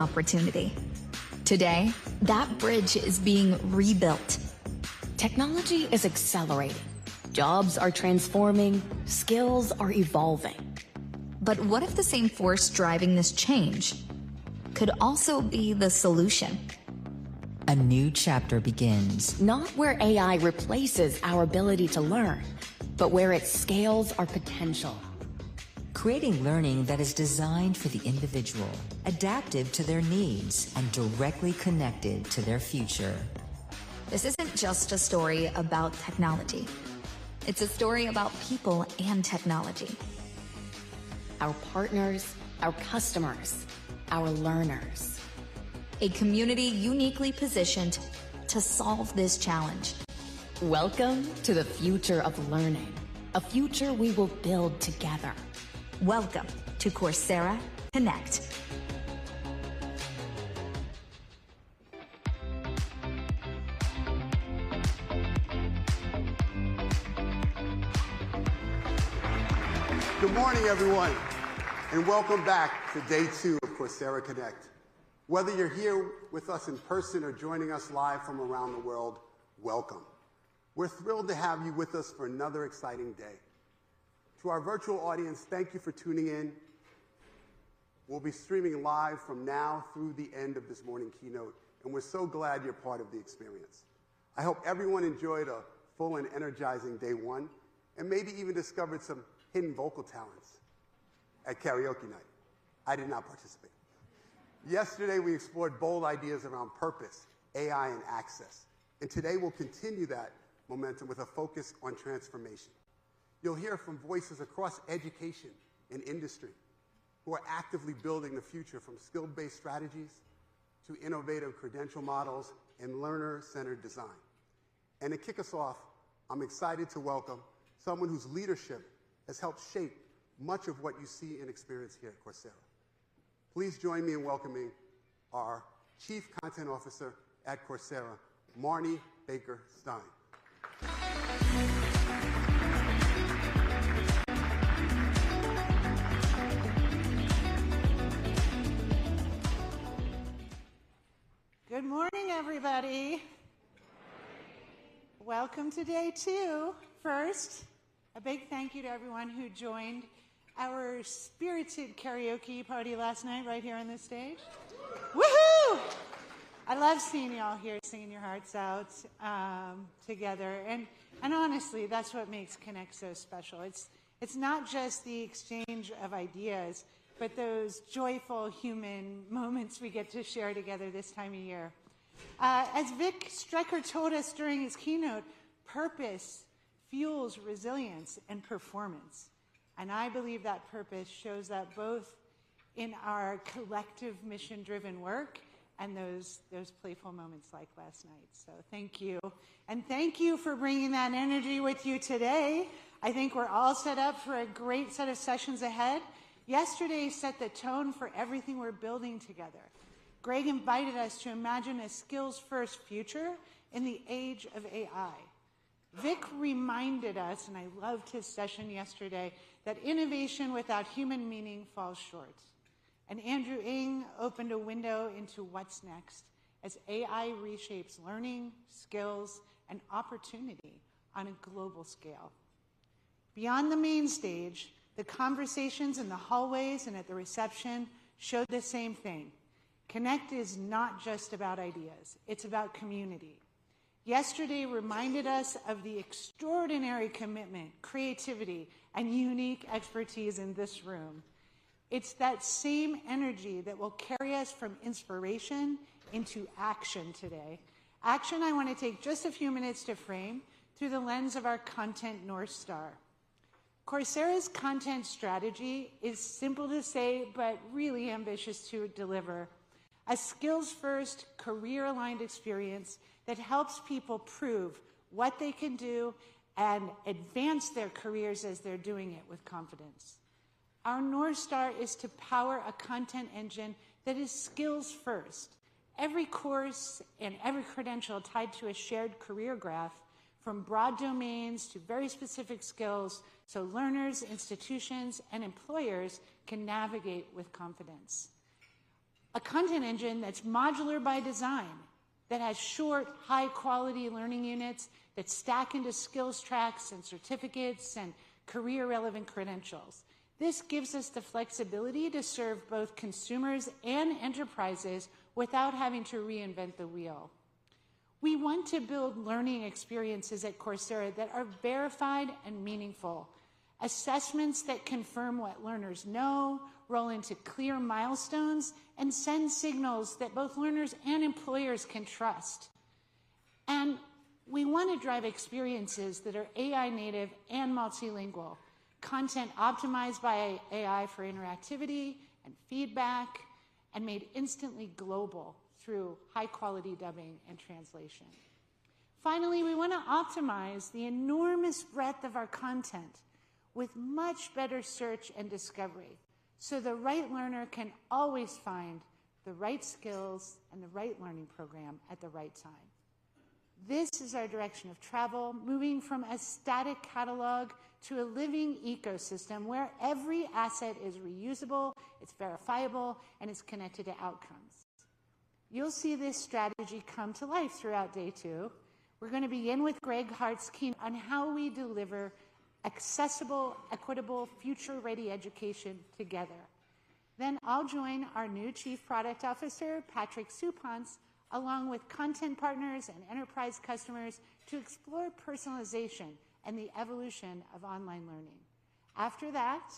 Opportunity. Today, that bridge is being rebuilt. Technology is accelerating, jobs are transforming, skills are evolving. But what if the same force driving this change could also be the solution? A new chapter begins. Not where AI replaces our ability to learn, but where it scales our potential. Creating learning that is designed for the individual, adaptive to their needs, and directly connected to their future. This isn't just a story about technology. It's a story about people and technology. Our partners, our customers, our learners. A community uniquely positioned to solve this challenge. Welcome to the future of learning, a future we will build together. Welcome to Coursera Connect. Good morning, everyone, and welcome back to day two of Coursera Connect. Whether you're here with us in person or joining us live from around the world, welcome. We're thrilled to have you with us for another exciting day. To our virtual audience, thank you for tuning in. We'll be streaming live from now through the end of this morning keynote, and we're so glad you're part of the experience. I hope everyone enjoyed a full and energizing day one, and maybe even discovered some hidden vocal talents at karaoke night. I did not participate. Yesterday, we explored bold ideas around purpose, AI, and access. And today, we'll continue that momentum with a focus on transformation. You'll hear from voices across education and industry who are actively building the future from skill-based strategies to innovative credential models and learner-centered design. And to kick us off, I'm excited to welcome someone whose leadership has helped shape much of what you see and experience here at Coursera. Please join me in welcoming our Chief Content Officer at Coursera, Marni Baker Stein. Good morning, everybody. Good morning. Welcome to day two. First, a big thank you to everyone who joined our spirited karaoke party last night right here on this stage. Woohoo! I love seeing y'all here singing your hearts out together. And honestly, that's what makes Connect so special. It's not just the exchange of ideas, but those joyful human moments we get to share together this time of year. As Vic Strecker told us during his keynote, purpose fuels resilience and performance. And I believe that purpose shows that both in our collective mission-driven work and those playful moments like last night. So thank you. And thank you for bringing that energy with you today. I think we're all set up for a great set of sessions ahead. Yesterday set the tone for everything we're building together. Greg invited us to imagine a skills-first future in the age of AI. Vic reminded us, and I loved his session yesterday, that innovation without human meaning falls short. And Andrew Ng opened a window into what's next as AI reshapes learning, skills, and opportunity on a global scale. Beyond the main stage, the conversations in the hallways and at the reception showed the same thing. Connect is not just about ideas. It's about community. Yesterday reminded us of the extraordinary commitment, creativity, and unique expertise in this room. It's that same energy that will carry us from inspiration into action today. Action. I want to take just a few minutes to frame through the lens of our content North Star. Coursera's content strategy is simple to say, but really ambitious to deliver. A skills-first, career-aligned experience that helps people prove what they can do and advance their careers as they're doing it with confidence. Our North Star is to power a content engine that is skills-first. Every course and every credential tied to a shared career graph, from broad domains to very specific skills, so learners, institutions, and employers can navigate with confidence. A content engine that's modular by design, that has short, high-quality learning units that stack into skills tracks and certificates and career-relevant credentials. This gives us the flexibility to serve both consumers and enterprises without having to reinvent the wheel. We want to build learning experiences at Coursera that are verified and meaningful. Assessments that confirm what learners know, roll into clear milestones, and send signals that both learners and employers can trust. And we want to drive experiences that are AI-native and multilingual, content optimized by AI for interactivity and feedback, and made instantly global through high-quality dubbing and translation. Finally, we want to optimize the enormous breadth of our content with much better search and discovery, so the right learner can always find the right skills and the right learning program at the right time. This is our direction of travel, moving from a static catalog to a living ecosystem where every asset is reusable, it's verifiable, and it's connected to outcomes. You'll see this strategy come to life throughout day two. We're going to begin with Greg Hart's keynote on how we deliver accessible, equitable, future-ready education together. Then I'll join our new Chief Product Officer, Patrick Supanc, along with content partners and enterprise customers to explore personalization and the evolution of online learning. After that,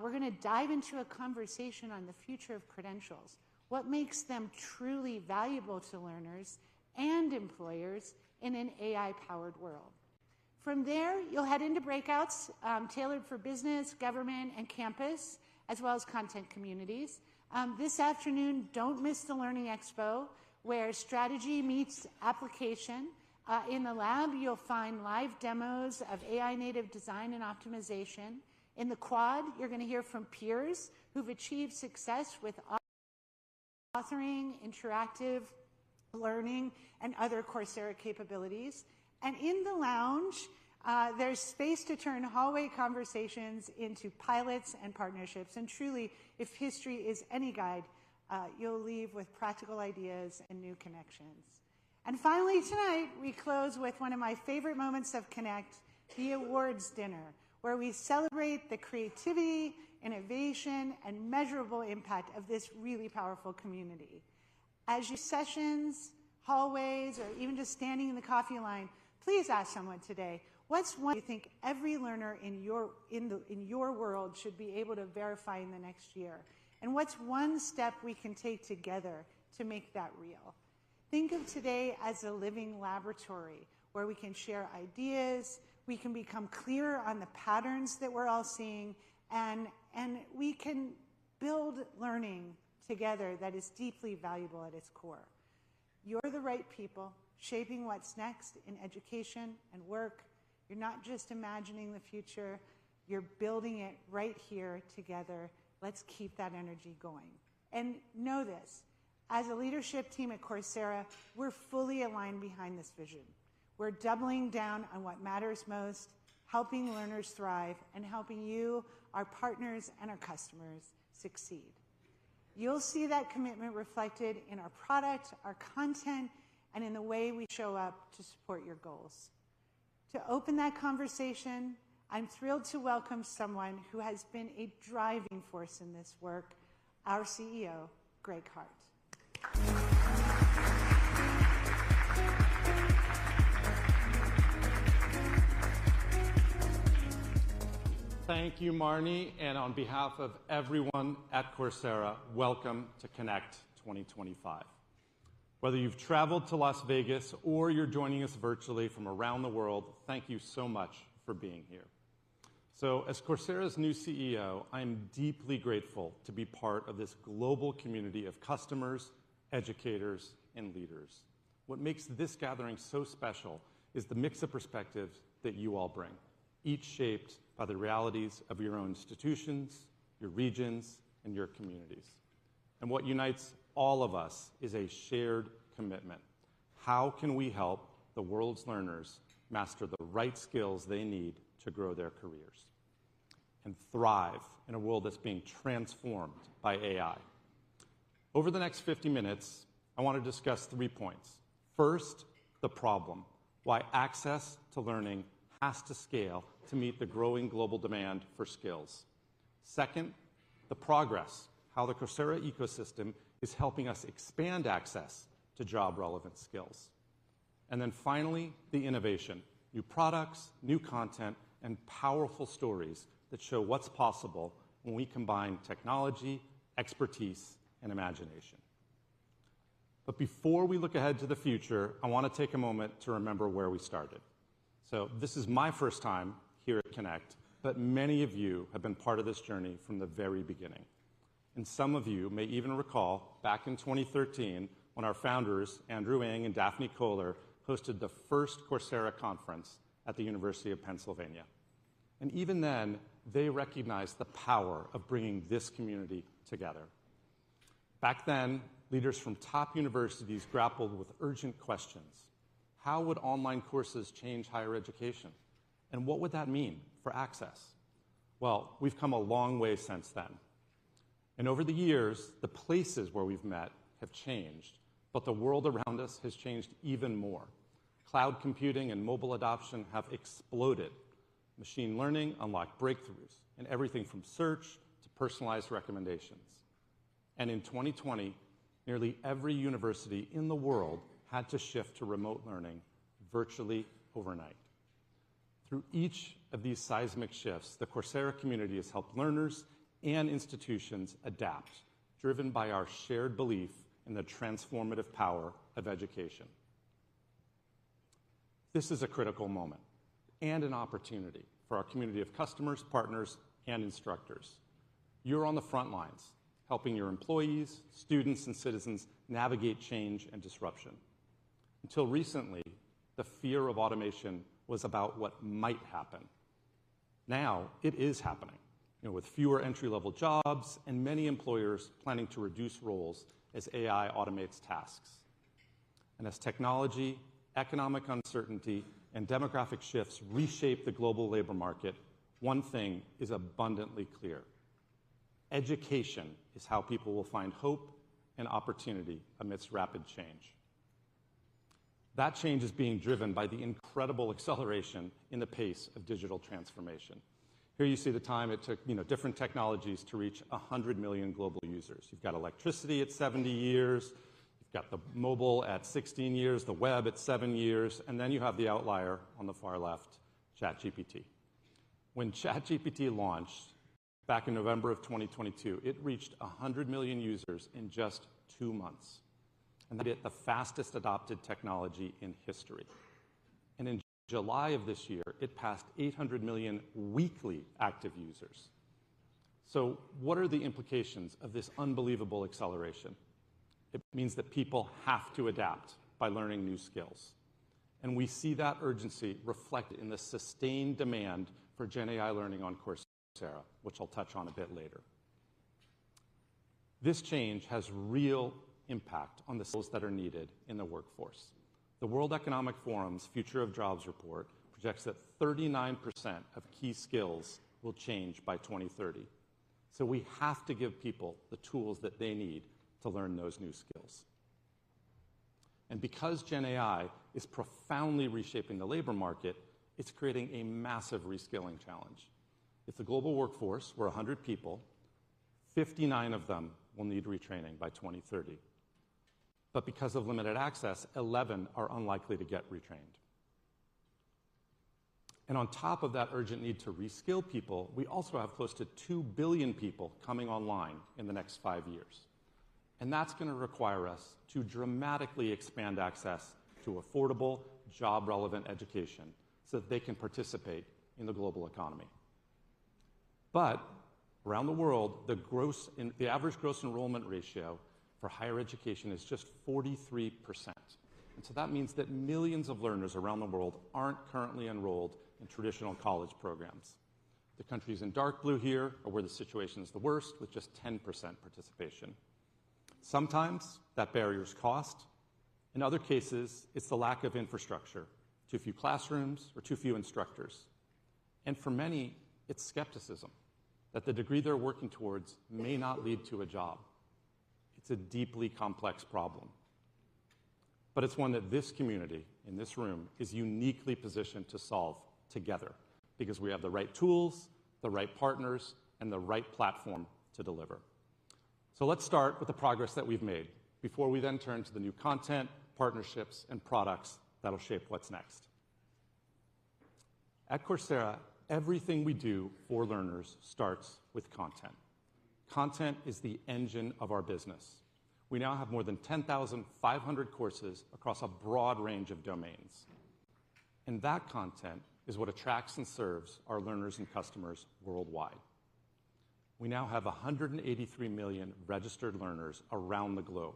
we're going to dive into a conversation on the future of credentials, what makes them truly valuable to learners and employers in an AI-powered world. From there, you'll head into breakouts tailored for business, government, and campus, as well as content communities. This afternoon, don't miss the Learning Expo where strategy meets application. In the lab, you'll find live demos of AI-native design and optimization. In the quad, you're going to hear from peers who've achieved success with authoring, interactive learning, and other Coursera capabilities. And in the lounge, there's space to turn hallway conversations into pilots and partnerships. And truly, if history is any guide, you'll leave with practical ideas and new connections. And finally, tonight, we close with one of my favorite moments of Connect, the awards dinner, where we celebrate the creativity, innovation, and measurable impact of this really powerful community. As in sessions, hallways, or even just standing in the coffee line, please ask someone today, what's one thing you think every learner in your world should be able to verify in the next year? And what's one step we can take together to make that real? Think of today as a living laboratory where we can share ideas, we can become clearer on the patterns that we're all seeing, and we can build learning together that is deeply valuable at its core. You're the right people shaping what's next in education and work. You're not just imagining the future. You're building it right here together. Let's keep that energy going. And know this, as a leadership team at Coursera, we're fully aligned behind this vision. We're doubling down on what matters most, helping learners thrive, and helping you, our partners, and our customers succeed. You'll see that commitment reflected in our product, our content, and in the way we show up to support your goals. To open that conversation, I'm thrilled to welcome someone who has been a driving force in this work, our CEO, Greg Hart. Thank you, Marni. And on behalf of everyone at Coursera, welcome to Connect 2025. Whether you've traveled to Las Vegas or you're joining us virtually from around the world, thank you so much for being here. So as Coursera's new CEO, I'm deeply grateful to be part of this global community of customers, educators, and leaders. What makes this gathering so special is the mix of perspectives that you all bring, each shaped by the realities of your own institutions, your regions, and your communities. And what unites all of us is a shared commitment. How can we help the world's learners master the right skills they need to grow their careers and thrive in a world that's being transformed by AI? Over the next 50 minutes, I want to discuss three points. First, the problem, why access to learning has to scale to meet the growing global demand for skills. Second, the progress, how the Coursera ecosystem is helping us expand access to job-relevant skills, and then finally, the innovation, new products, new content, and powerful stories that show what's possible when we combine technology, expertise, and imagination, but before we look ahead to the future, I want to take a moment to remember where we started, so this is my first time here at Connect, but many of you have been part of this journey from the very beginning, and some of you may even recall back in 2013 when our founders, Andrew Ng and Daphne Koller, hosted the first Coursera conference at the University of Pennsylvania, and even then, they recognized the power of bringing this community together. Back then, leaders from top universities grappled with urgent questions. How would online courses change higher education? What would that mean for access? We've come a long way since then. Over the years, the places where we've met have changed, but the world around us has changed even more. Cloud computing and mobile adoption have exploded. Machine learning unlocked breakthroughs in everything from search to personalized recommendations. In 2020, nearly every university in the world had to shift to remote learning virtually overnight. Through each of these seismic shifts, the Coursera community has helped learners and institutions adapt, driven by our shared belief in the transformative power of education. This is a critical moment and an opportunity for our community of customers, partners, and instructors. You're on the front lines, helping your employees, students, and citizens navigate change and disruption. Until recently, the fear of automation was about what might happen. Now, it is happening, with fewer entry-level jobs and many employers planning to reduce roles as AI automates tasks. And as technology, economic uncertainty, and demographic shifts reshape the global labor market, one thing is abundantly clear. Education is how people will find hope and opportunity amidst rapid change. That change is being driven by the incredible acceleration in the pace of digital transformation. Here you see the time it took different technologies to reach 100 million global users. You've got electricity at 70 years. You've got the mobile at 16 years, the web at 7 years, and then you have the outlier on the far left, ChatGPT. When ChatGPT launched back in November of 2022, it reached 100 million users in just two months. And that is the fastest adopted technology in history. And in July of this year, it passed 800 million weekly active users. So what are the implications of this unbelievable acceleration? It means that people have to adapt by learning new skills. And we see that urgency reflected in the sustained demand for GenAI learning on Coursera, which I'll touch on a bit later. This change has real impact on the skills that are needed in the workforce. The World Economic Forum's Future of Jobs report projects that 39% of key skills will change by 2030. So we have to give people the tools that they need to learn those new skills. And because GenAI is profoundly reshaping the labor market, it's creating a massive reskilling challenge. If the global workforce were 100 people, 59 of them will need retraining by 2030. But because of limited access, 11 are unlikely to get retrained. On top of that urgent need to reskill people, we also have close to 2 billion people coming online in the next five years. That's going to require us to dramatically expand access to affordable, job-relevant education so that they can participate in the global economy. Around the world, the average gross enrollment ratio for higher education is just 43%. That means that millions of learners around the world aren't currently enrolled in traditional college programs. The countries in dark blue here are where the situation is the worst, with just 10% participation. Sometimes that barrier is cost. In other cases, it's the lack of infrastructure, too few classrooms, or too few instructors. For many, it's skepticism that the degree they're working towards may not lead to a job. It's a deeply complex problem. But it's one that this community in this room is uniquely positioned to solve together because we have the right tools, the right partners, and the right platform to deliver. So let's start with the progress that we've made before we then turn to the new content, partnerships, and products that'll shape what's next. At Coursera, everything we do for learners starts with content. Content is the engine of our business. We now have more than 10,500 courses across a broad range of domains. And that content is what attracts and serves our learners and customers worldwide. We now have 183 million registered learners around the globe.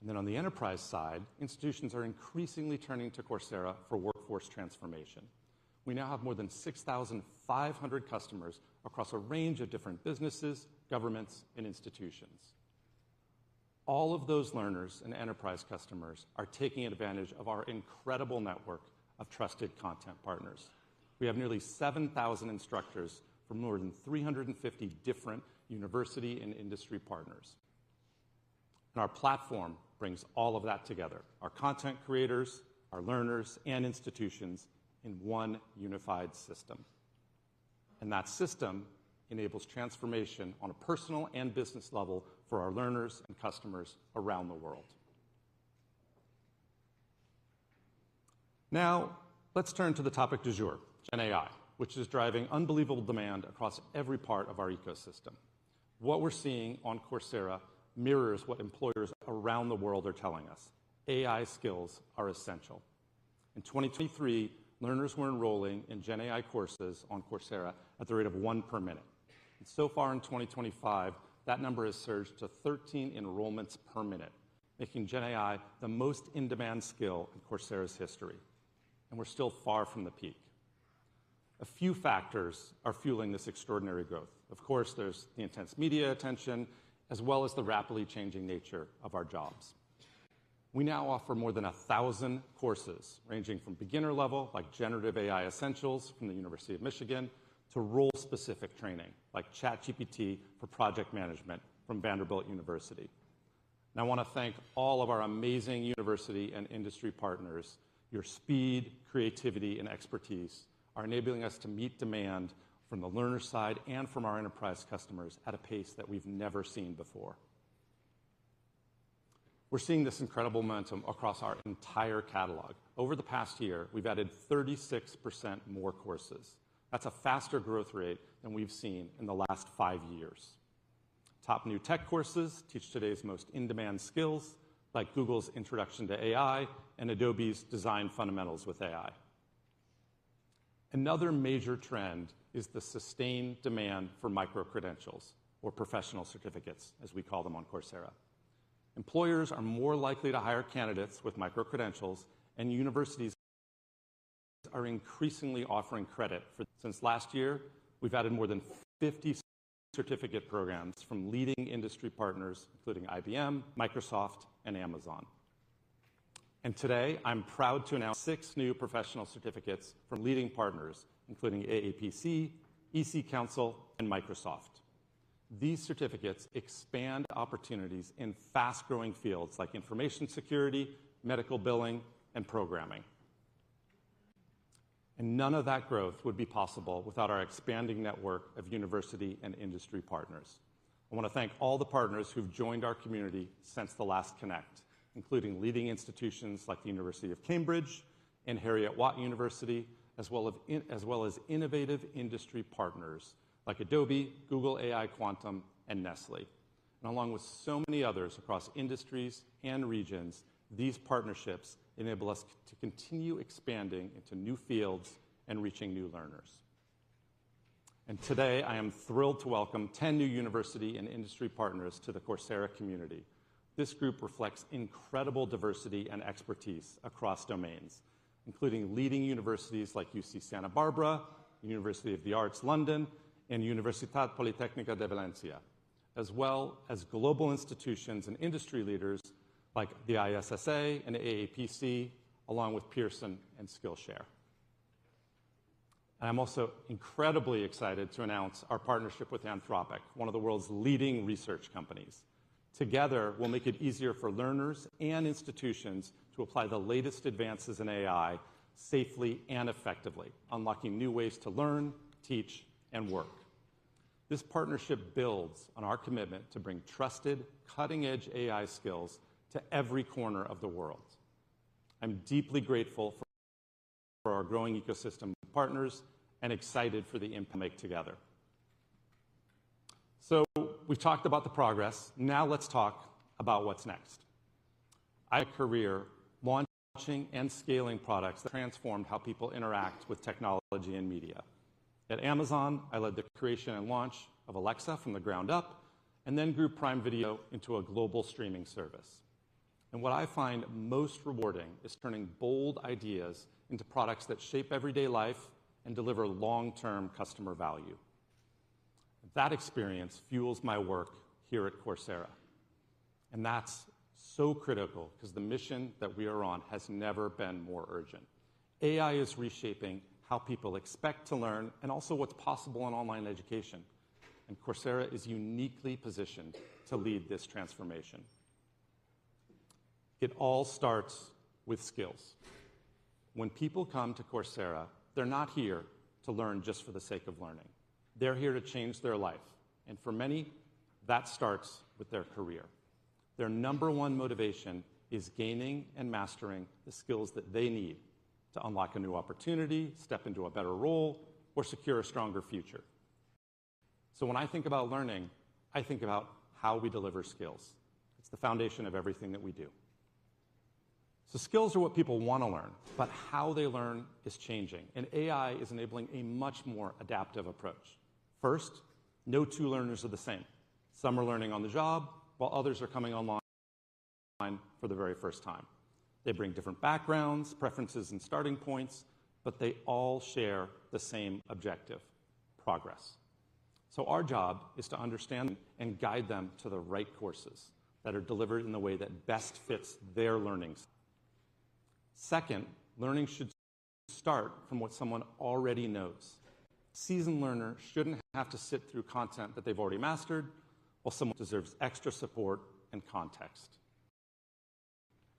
And then on the enterprise side, institutions are increasingly turning to Coursera for workforce transformation. We now have more than 6,500 customers across a range of different businesses, governments, and institutions. All of those learners and enterprise customers are taking advantage of our incredible network of trusted content partners. We have nearly 7,000 instructors from more than 350 different university and industry partners. Our platform brings all of that together, our content creators, our learners, and institutions in one unified system. That system enables transformation on a personal and business level for our learners and customers around the world. Now, let's turn to the topic du jour, GenAI, which is driving unbelievable demand across every part of our ecosystem. What we're seeing on Coursera mirrors what employers around the world are telling us. AI skills are essential. In 2023, learners were enrolling in GenAI courses on Coursera at the rate of one per minute. So far in 2025, that number has surged to 13 enrollments per minute, making GenAI the most in-demand skill in Coursera's history. We're still far from the peak. A few factors are fueling this extraordinary growth. Of course, there's the intense media attention, as well as the rapidly changing nature of our jobs. We now offer more than 1,000 courses ranging from beginner level, like Generative AI Essentials from the University of Michigan, to role-specific training, like ChatGPT for Project Management from Vanderbilt University. And I want to thank all of our amazing university and industry partners. Your speed, creativity, and expertise are enabling us to meet demand from the learner side and from our enterprise customers at a pace that we've never seen before. We're seeing this incredible momentum across our entire catalog. Over the past year, we've added 36% more courses. That's a faster growth rate than we've seen in the last five years. Top new tech courses teach today's most in-demand skills, like Google's Introduction to AI and Adobe's Design Fundamentals with AI. Another major trend is the sustained demand for micro-credentials, or professional certificates, as we call them on Coursera. Employers are more likely to hire candidates with micro-credentials, and universities are increasingly offering credit for. Since last year, we've added more than 50 certificate programs from leading industry partners, including IBM, Microsoft, and Amazon. And today, I'm proud to announce six new professional certificates from leading partners, including AAPC, EC-Council, and Microsoft. These certificates expand opportunities in fast-growing fields like information security, medical billing, and programming. And none of that growth would be possible without our expanding network of university and industry partners. I want to thank all the partners who've joined our community since the last Connect, including leading institutions like the University of Cambridge and Heriot-Watt University, as well as innovative industry partners like Adobe, Google AI Quantum, and Nestlé. Along with so many others across industries and regions, these partnerships enable us to continue expanding into new fields and reaching new learners. Today, I am thrilled to welcome 10 new university and industry partners to the Coursera community. This group reflects incredible diversity and expertise across domains, including leading universities like UC Santa Barbara, University of the Arts London, and Universidad Politécnica de Valencia, as well as global institutions and industry leaders like the ISSA and AAPC, along with Pearson and Skillshare. I'm also incredibly excited to announce our partnership with Anthropic, one of the world's leading research companies. Together, we'll make it easier for learners and institutions to apply the latest advances in AI safely and effectively, unlocking new ways to learn, teach, and work. This partnership builds on our commitment to bring trusted, cutting-edge AI skills to every corner of the world. I'm deeply grateful for our growing ecosystem of partners and excited for the impact we'll make together. So we've talked about the progress. Now let's talk about what's next. I had a career launching and scaling products that transformed how people interact with technology and media. At Amazon, I led the creation and launch of Alexa from the ground up, and then grew Prime Video into a global streaming service. And what I find most rewarding is turning bold ideas into products that shape everyday life and deliver long-term customer value. That experience fuels my work here at Coursera. That's so critical because the mission that we are on has never been more urgent. AI is reshaping how people expect to learn and also what's possible in online education. Coursera is uniquely positioned to lead this transformation. It all starts with skills. When people come to Coursera, they're not here to learn just for the sake of learning. They're here to change their life. For many, that starts with their career. Their number one motivation is gaining and mastering the skills that they need to unlock a new opportunity, step into a better role, or secure a stronger future. When I think about learning, I think about how we deliver skills. It's the foundation of everything that we do. Skills are what people want to learn, but how they learn is changing. AI is enabling a much more adaptive approach. First, no two learners are the same. Some are learning on the job, while others are coming online for the very first time. They bring different backgrounds, preferences, and starting points, but they all share the same objective: progress. So our job is to understand and guide them to the right courses that are delivered in the way that best fits their learning style. Second, learning should start from what someone already knows. A seasoned learner shouldn't have to sit through content that they've already mastered, while someone deserves extra support and context.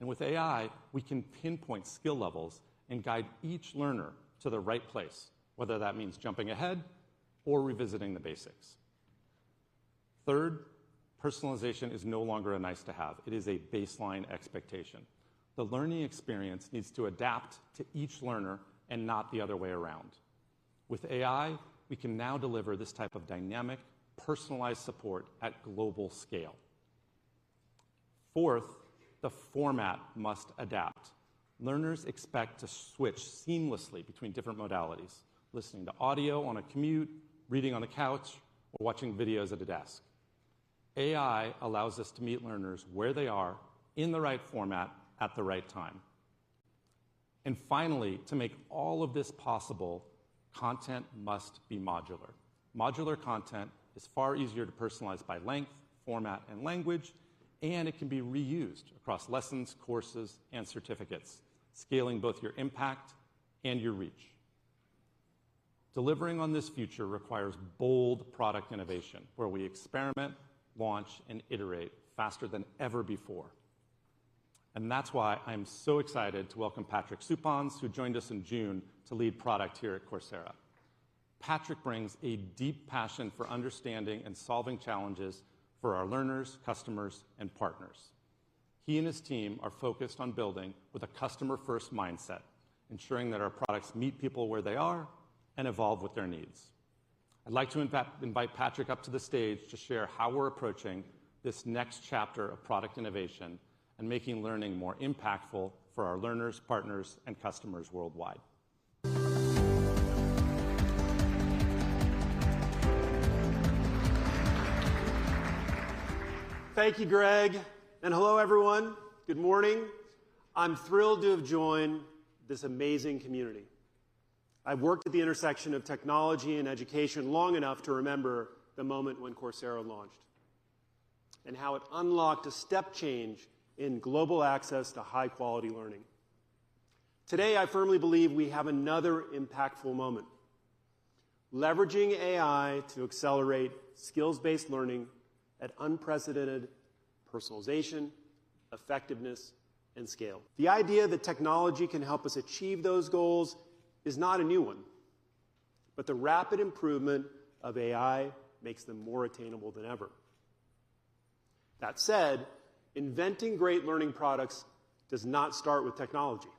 And with AI, we can pinpoint skill levels and guide each learner to the right place, whether that means jumping ahead or revisiting the basics. Third, personalization is no longer a nice-to-have. It is a baseline expectation. The learning experience needs to adapt to each learner and not the other way around. With AI, we can now deliver this type of dynamic, personalized support at global scale. Fourth, the format must adapt. Learners expect to switch seamlessly between different modalities: listening to audio on a commute, reading on a couch, or watching videos at a desk. AI allows us to meet learners where they are, in the right format, at the right time, and finally, to make all of this possible, content must be modular. Modular content is far easier to personalize by length, format, and language, and it can be reused across lessons, courses, and certificates, scaling both your impact and your reach. Delivering on this future requires bold product innovation, where we experiment, launch, and iterate faster than ever before, and that's why I'm so excited to welcome Patrick Supanc, who joined us in June to lead product here at Coursera. Patrick brings a deep passion for understanding and solving challenges for our learners, customers, and partners. He and his team are focused on building with a customer-first mindset, ensuring that our products meet people where they are and evolve with their needs. I'd like to invite Patrick up to the stage to share how we're approaching this next chapter of product innovation and making learning more impactful for our learners, partners, and customers worldwide. Thank you, Greg. And hello, everyone. Good morning. I'm thrilled to have joined this amazing community. I've worked at the intersection of technology and education long enough to remember the moment when Coursera launched and how it unlocked a step change in global access to high-quality learning. Today, I firmly believe we have another impactful moment: leveraging AI to accelerate skills-based learning at unprecedented personalization, effectiveness, and scale. The idea that technology can help us achieve those goals is not a new one, but the rapid improvement of AI makes them more attainable than ever. That said, inventing great learning products does not start with technology.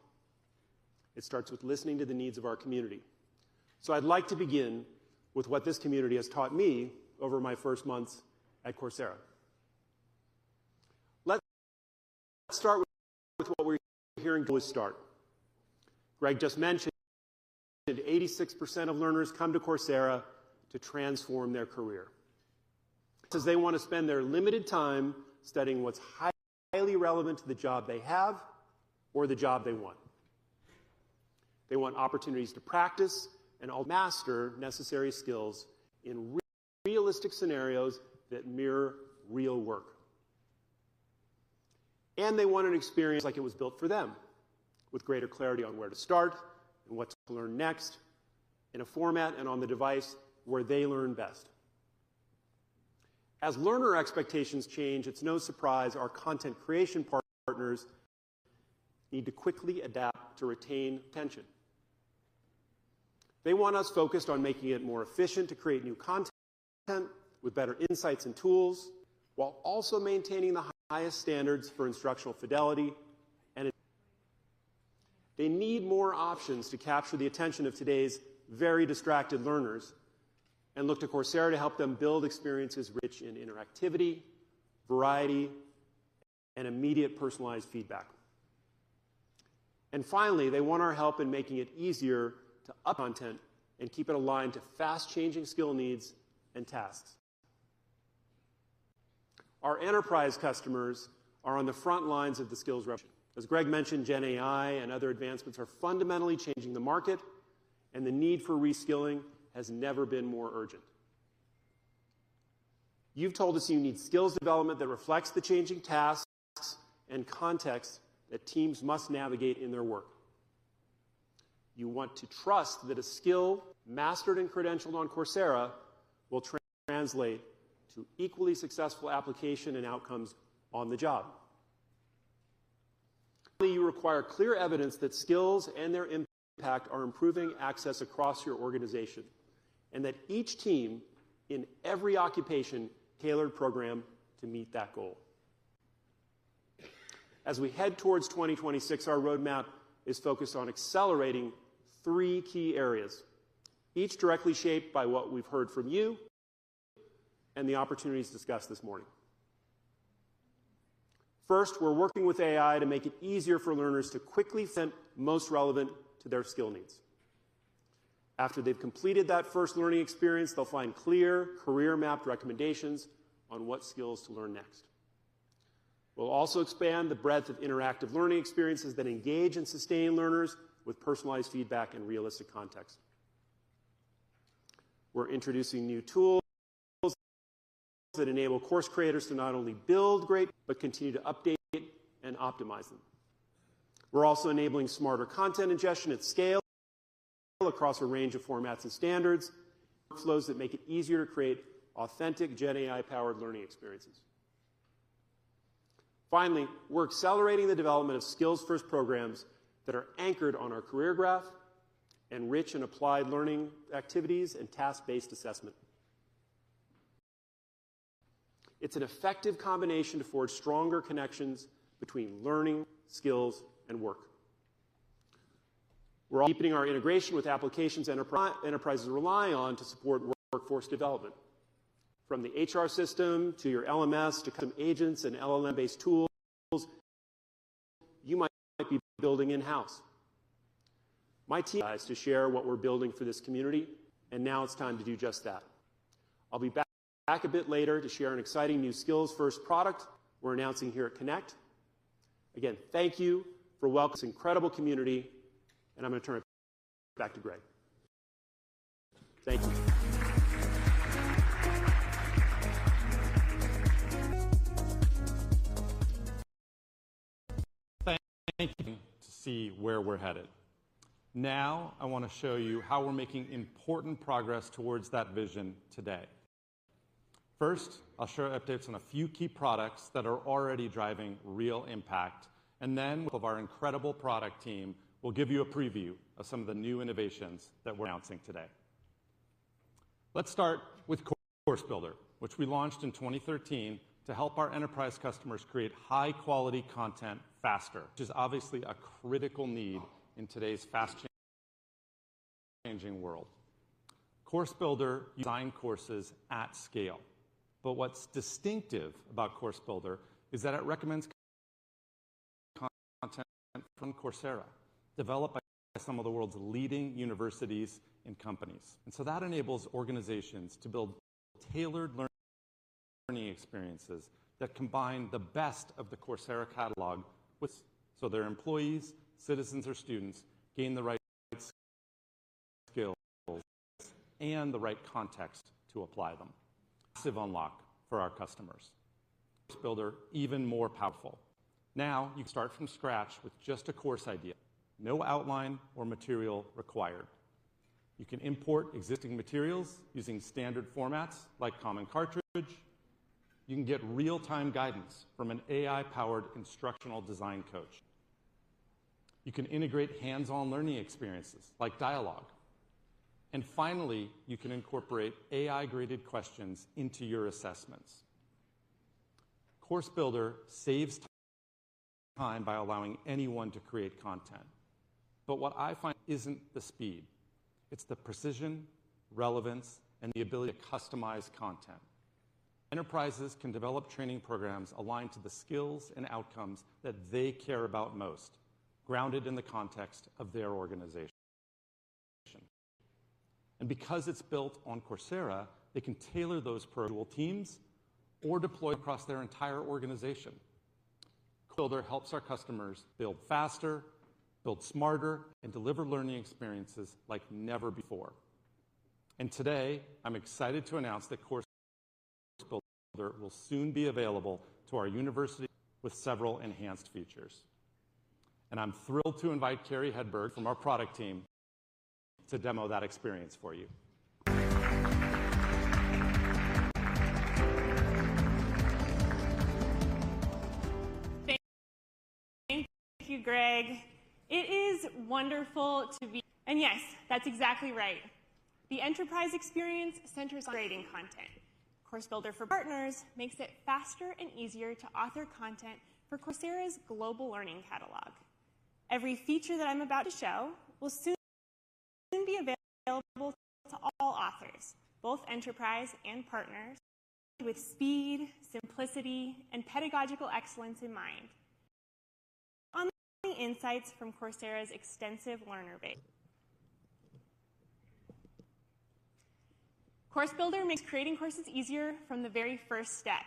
It starts with listening to the needs of our community. So I'd like to begin with what this community has taught me over my first months at Coursera. Let's start with what we're hearing. Greg just mentioned 86% of learners come to Coursera to transform their career. They want to spend their limited time studying what's highly relevant to the job they have or the job they want. They want opportunities to practice and master necessary skills in realistic scenarios that mirror real work. And they want an experience like it was built for them, with greater clarity on where to start and what to learn next, in a format and on the device where they learn best. As learner expectations change, it's no surprise our content creation partners need to quickly adapt to retain attention. They want us focused on making it more efficient to create new content with better insights and tools, while also maintaining the highest standards for instructional fidelity. They need more options to capture the attention of today's very distracted learners and look to Coursera to help them build experiences rich in interactivity, variety, and immediate personalized feedback. And finally, they want our help in making it easier to update content and keep it aligned to fast-changing skill needs and tasks. Our enterprise customers are on the front lines of the skills revolution. As Greg mentioned, GenAI and other advancements are fundamentally changing the market, and the need for reskilling has never been more urgent. You've told us you need skills development that reflects the changing tasks and contexts that teams must navigate in their work. You want to trust that a skill mastered and credentialed on Coursera will translate to equally successful application and outcomes on the job. You require clear evidence that skills and their impact are improving access across your organization and that each team in every occupation tailored program to meet that goal. As we head towards 2026, our roadmap is focused on accelerating three key areas, each directly shaped by what we've heard from you and the opportunities discussed this morning. First, we're working with AI to make it easier for learners to quickly find what's most relevant to their skill needs. After they've completed that first learning experience, they'll find clear career-mapped recommendations on what skills to learn next. We'll also expand the breadth of interactive learning experiences that engage and sustain learners with personalized feedback and realistic context. We're introducing new tools that enable course creators to not only build great content, but continue to update and optimize them. We're also enabling smarter content ingestion at scale across a range of formats and standards, workflows that make it easier to create authentic GenAI-powered learning experiences. Finally, we're accelerating the development of skills-first programs that are anchored on our career graph and rich and applied learning activities and task-based assessment. It's an effective combination to forge stronger connections between learning, skills, and work. We're deepening our integration with applications enterprises rely on to support workforce development, from the HR system to your LMS to custom agents and LLM-based tools you might be building in-house. My team is to share what we're building for this community, and now it's time to do just that. I'll be back a bit later to share an exciting new skills-first product we're announcing here at Connect. Again, thank you for welcoming this incredible community, and I'm going to turn it back to Greg. Thank you. Thank you for coming to see where we're headed. Now, I want to show you how we're making important progress towards that vision today. First, I'll share updates on a few key products that are already driving real impact, and then with the help of our incredible product team, we'll give you a preview of some of the new innovations that we're announcing today. Let's start with Course Builder, which we launched in 2013 to help our enterprise customers create high-quality content faster, which is obviously a critical need in today's fast-changing world. Course Builder designs courses at scale. But what's distinctive about Course Builder is that it recommends content from Coursera developed by some of the world's leading universities and companies. And so that enables organizations to build tailored learning experiences that combine the best of the Coursera catalog so their employees, citizens, or students gain the right skills and the right context to apply them. Massive unlock for our customers. Course Builder is even more powerful. Now, you can start from scratch with just a course idea, no outline or material required. You can import existing materials using standard formats like Common Cartridge. You can get real-time guidance from an AI-powered instructional design coach. You can integrate hands-on learning experiences like Dialogue. And finally, you can incorporate AI-graded questions into your assessments. Course Builder saves time by allowing anyone to create content. But what I find isn't the speed. It's the precision, relevance, and the ability to customize content. Enterprises can develop training programs aligned to the skills and outcomes that they care about most, grounded in the context of their organization. And because it's built on Coursera, they can tailor those for individual teams or deploy across their entire organization. Course Builder helps our customers build faster, build smarter, and deliver learning experiences like never before. Today, I'm excited to announce that Course Builder will soon be available to our university with several enhanced features. I'm thrilled to invite Kari Hedberg from our product team to demo that experience for you. Thank you, Greg. It is wonderful to be here. Yes, that's exactly right. The enterprise experience centers on creating content. Course Builder for partners makes it faster and easier to author content for Coursera's global learning catalog. Every feature that I'm about to show will soon be available to all authors, both enterprise and partners, with speed, simplicity, and pedagogical excellence in mind. Only insights from Coursera's extensive learner base. Course Builder makes creating courses easier from the very first step.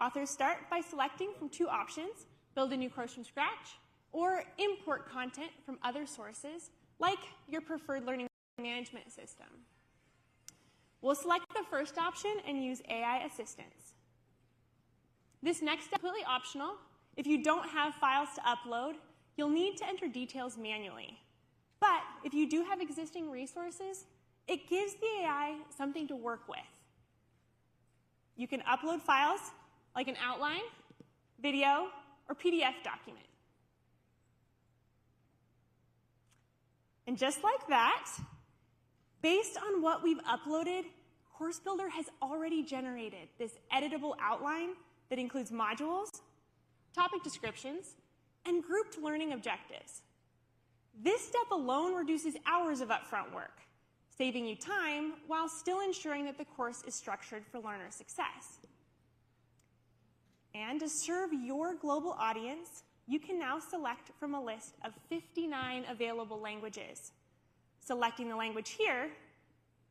Authors start by selecting from two options: build a new course from scratch or import content from other sources, like your preferred learning management system. We'll select the first option and use AI assistance. This next step is completely optional. If you don't have files to upload, you'll need to enter details manually. But if you do have existing resources, it gives the AI something to work with. You can upload files like an outline, video, or PDF document. And just like that, based on what we've uploaded, Course Builder has already generated this editable outline that includes modules, topic descriptions, and grouped learning objectives. This step alone reduces hours of upfront work, saving you time while still ensuring that the course is structured for learner success. And to serve your global audience, you can now select from a list of 59 available languages. Selecting the language here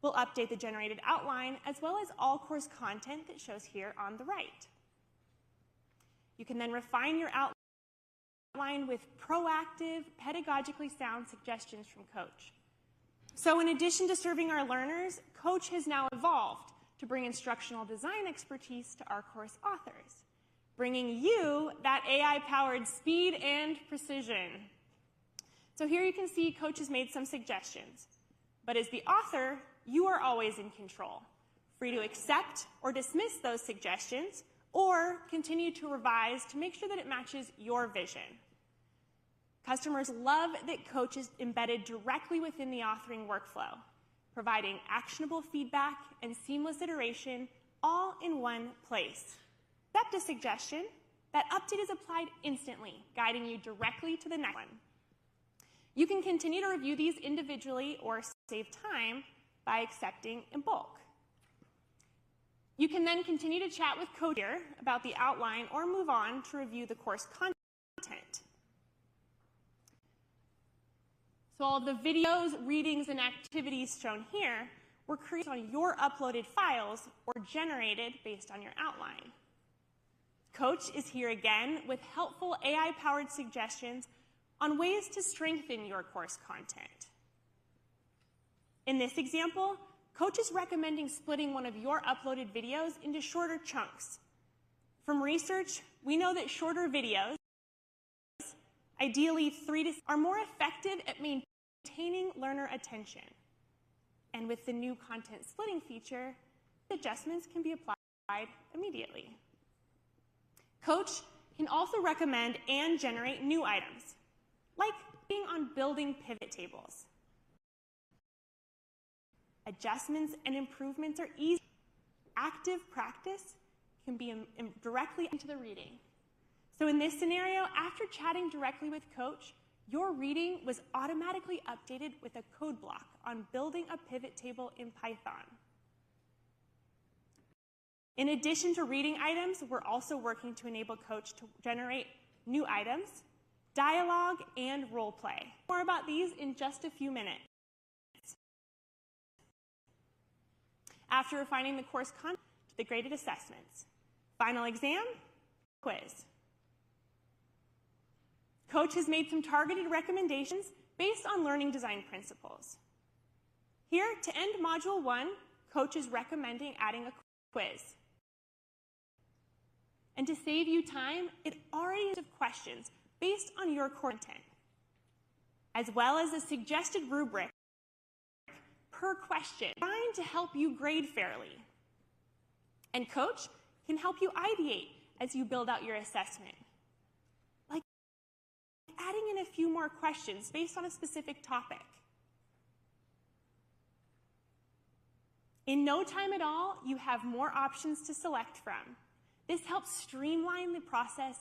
will update the generated outline as well as all course content that shows here on the right. You can then refine your outline with proactive, pedagogically sound suggestions from Coach. So in addition to serving our learners, Coach has now evolved to bring instructional design expertise to our course authors, bringing you that AI-powered speed and precision. So here you can see Coach has made some suggestions. But as the author, you are always in control, free to accept or dismiss those suggestions or continue to revise to make sure that it matches your vision. Customers love that Coach is embedded directly within the authoring workflow, providing actionable feedback and seamless iteration all in one place. That's a suggestion. That update is applied instantly, guiding you directly to the next one. You can continue to review these individually or save time by accepting in bulk. You can then continue to chat with Coach here about the outline or move on to review the course content. All the videos, readings, and activities shown here were created on your uploaded files or generated based on your outline. Coach is here again with helpful AI-powered suggestions on ways to strengthen your course content. In this example, Coach is recommending splitting one of your uploaded videos into shorter chunks. From research, we know that shorter videos, ideally three to six, are more effective at maintaining learner attention. And with the new content splitting feature, adjustments can be applied immediately. Coach can also recommend and generate new items, like one on building pivot tables. Adjustments and improvements are easy. Active practice can be directly added into the reading. So in this scenario, after chatting directly with Coach, your reading was automatically updated with a code block on building a pivot table in Python. In addition to reading items, we're also working to enable Coach to generate new items, dialogue, and role play. More about these in just a few minutes. After refining the course content, the graded assessments, final exam, quiz, Coach has made some targeted recommendations based on learning design principles. Here, to end module one, Coach is recommending adding a quiz, and to save you time, it already has questions based on your course content, as well as a suggested rubric per question, designed to help you grade fairly, and Coach can help you ideate as you build out your assessment, like adding in a few more questions based on a specific topic. In no time at all, you have more options to select from. This helps streamline the process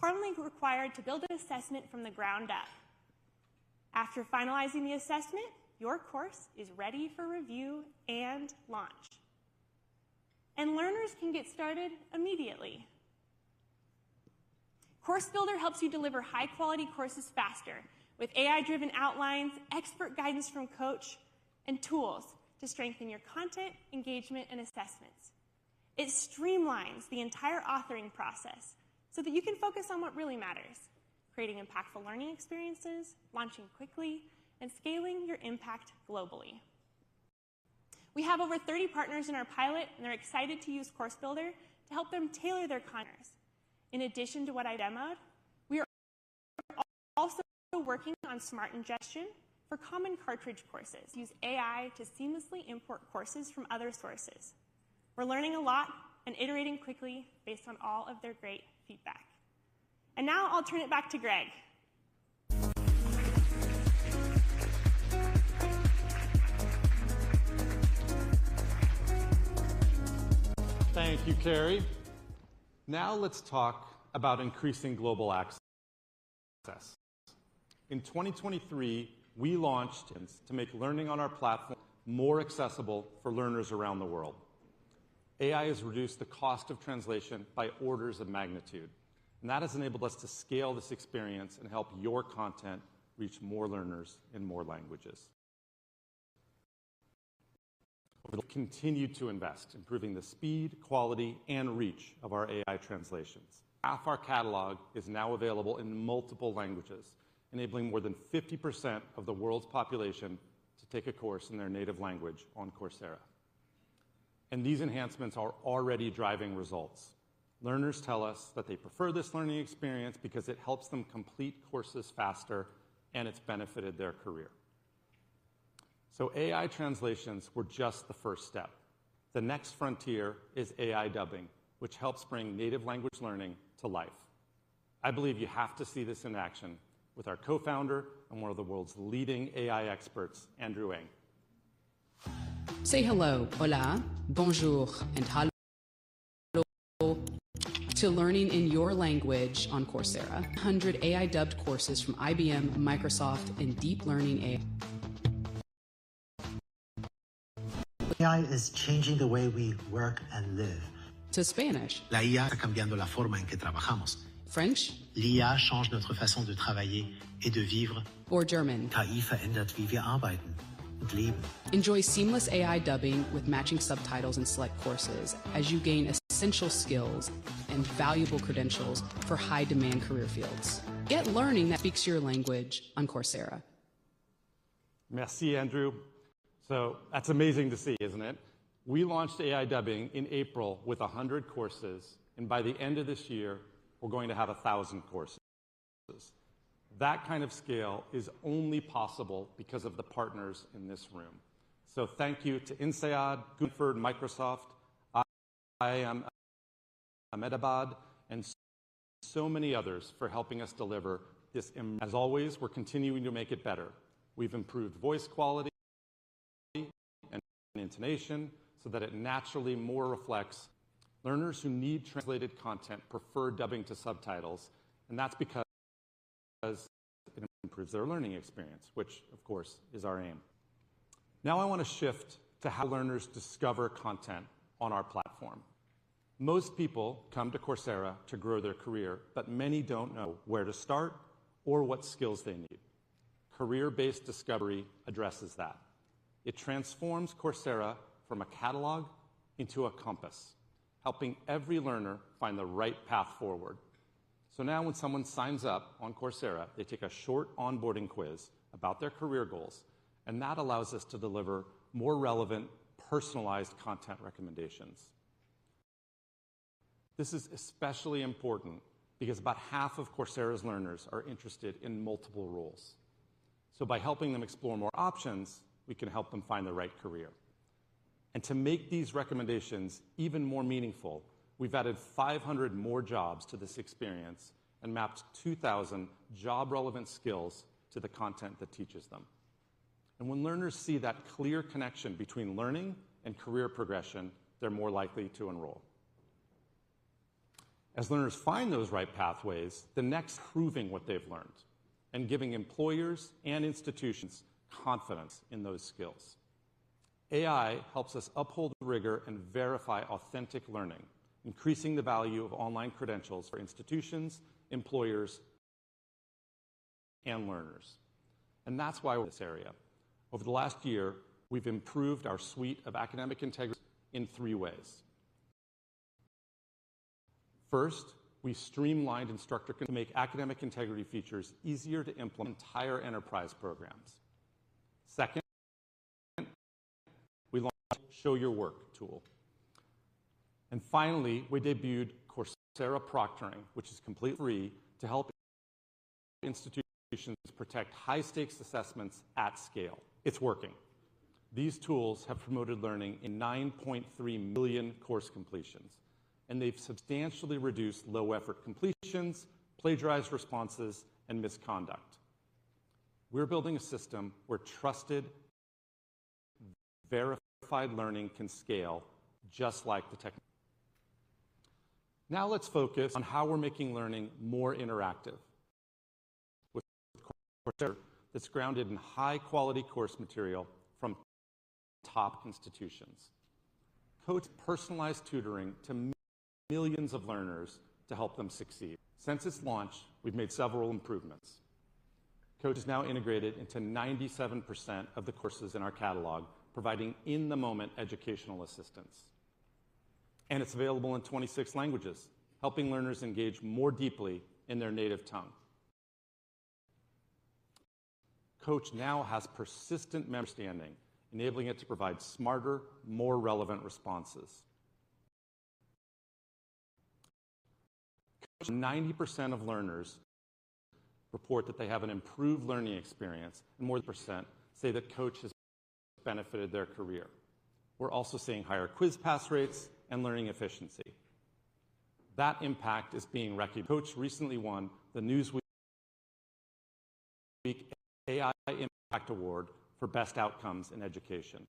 currently required to build an assessment from the ground up. After finalizing the assessment, your course is ready for review and launch, and learners can get started immediately. Course Builder helps you deliver high-quality courses faster with AI-driven outlines, expert guidance from Coach, and tools to strengthen your content, engagement, and assessments. It streamlines the entire authoring process so that you can focus on what really matters: creating impactful learning experiences, launching quickly, and scaling your impact globally. We have over 30 partners in our pilot, and they're excited to use Course Builder to help them tailor their content. In addition to what I demoed, we are also working on smart ingestion for Common Cartridge courses. Use AI to seamlessly import courses from other sources. We're learning a lot and iterating quickly based on all of their great feedback, and now I'll turn it back to Greg. Thank you, Kari. Now let's talk about increasing global access. In 2023, we launched to make learning on our platform more accessible for learners around the world. AI has reduced the cost of translation by orders of magnitude, and that has enabled us to scale this experience and help your content reach more learners in more languages. We continue to invest, improving the speed, quality, and reach of our AI translations. Half our catalog is now available in multiple languages, enabling more than 50% of the world's population to take a course in their native language on Coursera, and these enhancements are already driving results. Learners tell us that they prefer this learning experience because it helps them complete courses faster, and it's benefited their career, so AI translations were just the first step. The next frontier is AI dubbing, which helps bring native language learning to life. I believe you have to see this in action with our co-founder and one of the world's leading AI experts, Andrew Ng. Say hello, hola, bonjour, and hallo to learning in your language on Coursera. 100 AI-dubbed courses from IBM, Microsoft, and DeepLearning.AI. AI is changing the way we work and live. To Spanish. La IA está cambiando la forma en que trabajamos. French. L'IA change notre façon de travailler et de vivre. Or German. KI verändert, wie wir arbeiten und leben. Enjoy seamless AI dubbing with matching subtitles and select courses as you gain essential skills and valuable credentials for high-demand career fields. Get learning that speaks your language on Coursera. Merci, Andrew. That's amazing to see, isn't it? We launched AI dubbing in April with 100 courses, and by the end of this year, we're going to have 1,000 courses. That kind of scale is only possible because of the partners in this room, so thank you to INSEAD, Gunford, Microsoft, IIM Ahmedabad, and so many others for helping us deliver this. As always, we're continuing to make it better. We've improved voice quality and intonation so that it naturally more reflects. Learners who need translated content prefer dubbing to subtitles, and that's because it improves their learning experience, which, of course, is our aim. Now I want to shift to how learners discover content on our platform. Most people come to Coursera to grow their career, but many don't know where to start or what skills they need. Career-based discovery addresses that. It transforms Coursera from a catalog into a compass, helping every learner find the right path forward. So now when someone signs up on Coursera, they take a short onboarding quiz about their career goals, and that allows us to deliver more relevant, personalized content recommendations. This is especially important because about half of Coursera's learners are interested in multiple roles. So by helping them explore more options, we can help them find the right career. And to make these recommendations even more meaningful, we've added 500 more jobs to this experience and mapped 2,000 job-relevant skills to the content that teaches them. And when learners see that clear connection between learning and career progression, they're more likely to enroll. As learners find those right pathways, the next step is proving what they've learned and giving employers and institutions confidence in those skills. AI helps us uphold rigor and verify authentic learning, increasing the value of online credentials for institutions, employers, and learners. That's why we're in this area. Over the last year, we've improved our suite of academic integrity in three ways. First, we streamlined instructor content to make academic integrity features easier to implement in entire enterprise programs. Second, we launched the Show Your Work tool. And finally, we debuted Coursera Proctoring, which is completely free to help institutions protect high-stakes assessments at scale. It's working. These tools have promoted learning in 9.3 million course completions, and they've substantially reduced low-effort completions, plagiarized responses, and misconduct. We're building a system where trusted, verified learning can scale just like the technology. Now let's focus on how we're making learning more interactive with Coursera Coach that's grounded in high-quality course material from top institutions. Coach has personalized tutoring to meet millions of learners to help them succeed. Since its launch, we've made several improvements. Coach is now integrated into 97% of the courses in our catalog, providing in-the-moment educational assistance. And it's available in 26 languages, helping learners engage more deeply in their native tongue. Coach now has persistent memory understanding, enabling it to provide smarter, more relevant responses. Coach has 90% of learners report that they have an improved learning experience, and more than 1% say that Coach has benefited their career. We're also seeing higher quiz pass rates and learning efficiency. That impact is being recognized. Coach recently won the Newsweek AI Impact Award for best outcomes in education.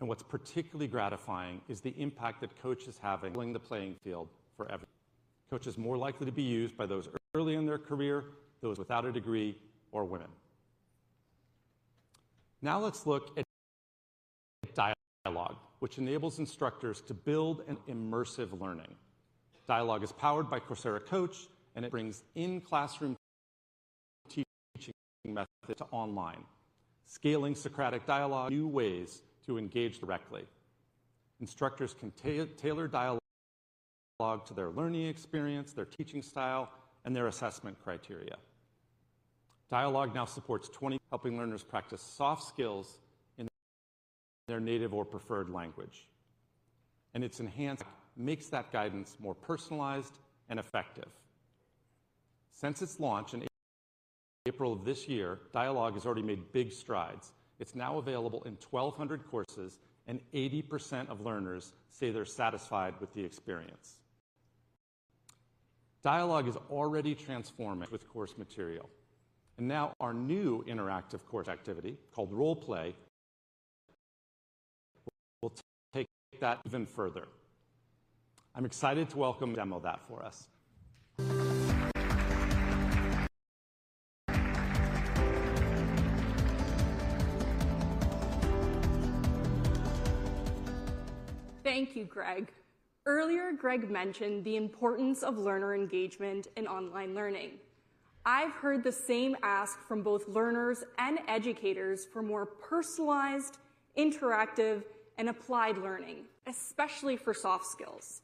And what's particularly gratifying is the impact that Coach is having on the playing field for everyone. Coach is more likely to be used by those early in their career, those without a degree, or women. Now let's look at dialogue, which enables instructors to build an immersive learning. Dialogue is powered by Coursera Coach, and it brings in-classroom teaching methods to online. Scaling Socratic dialogue gives new ways to engage directly. Instructors can tailor dialogue to their learning experience, their teaching style, and their assessment criteria. Dialogue now supports helping learners practice soft skills in their native or preferred language. Its enhanced app makes that guidance more personalized and effective. Since its launch in April of this year, Dialogue has already made big strides. It's now available in 1,200 courses, and 80% of learners say they're satisfied with the experience. Dialogue is already transforming with course material. Now our new interactive course activity called Role Play will take that even further. I'm excited to welcome her to demo that for us. Thank you, Greg. Earlier, Greg mentioned the importance of learner engagement in online learning. I've heard the same ask from both learners and educators for more personalized, interactive, and applied learning, especially for soft skills.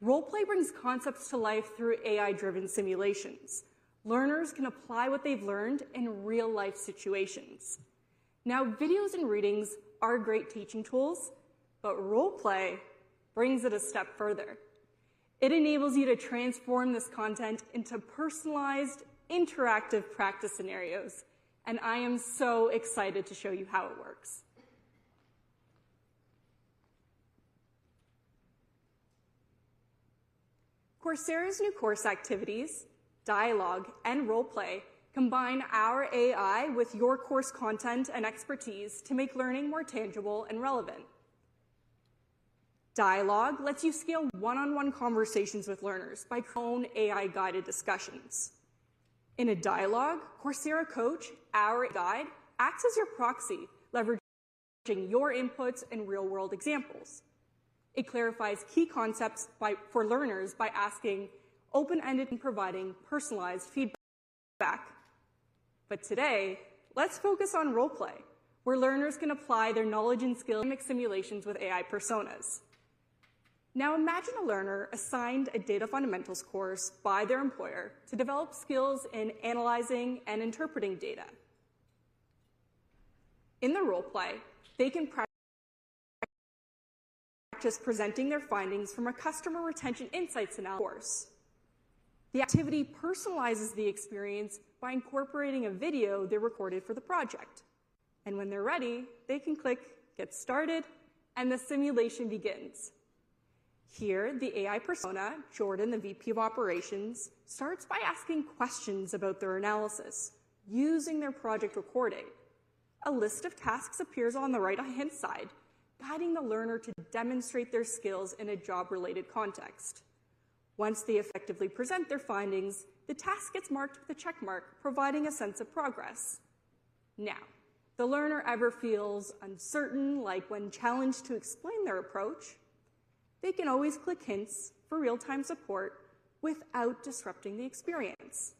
Role Play brings concepts to life through AI-driven simulations. Learners can apply what they've learned in real-life situations. Now, videos and readings are great teaching tools, but Role Play brings it a step further. It enables you to transform this content into personalized, interactive practice scenarios, and I am so excited to show you how it works. Coursera's new course activities, Dialogue, and Role Play combine our AI with your course content and expertise to make learning more tangible and relevant. Dialogue lets you scale one-on-one conversations with learners by creating your own AI-guided discussions. In a Dialogue, Coursera Coach, our AI guide, acts as your proxy, leveraging your inputs and real-world examples. It clarifies key concepts for learners by asking open-ended questions and providing personalized feedback. Today, let's focus on Role Play, where learners can apply their knowledge and skills in simulations with AI personas. Now imagine a learner assigned a data fundamentals course by their employer to develop skills in analyzing and interpreting data. In the Role Play, they can practice presenting their findings from a customer retention insights analysis course. The activity personalizes the experience by incorporating a video they recorded for the project. When they're ready, they can click Get Started, and the simulation begins. Here, the AI persona, Jordan, the VP of Operations, starts by asking questions about their analysis using their project recording. A list of tasks appears on the right-hand side, guiding the learner to demonstrate their skills in a job-related context. Once they effectively present their findings, the task gets marked with a checkmark, providing a sense of progress. Now, if the learner ever feels uncertain, like when challenged to explain their approach, they can always click Hints for real-time support without disrupting the experience.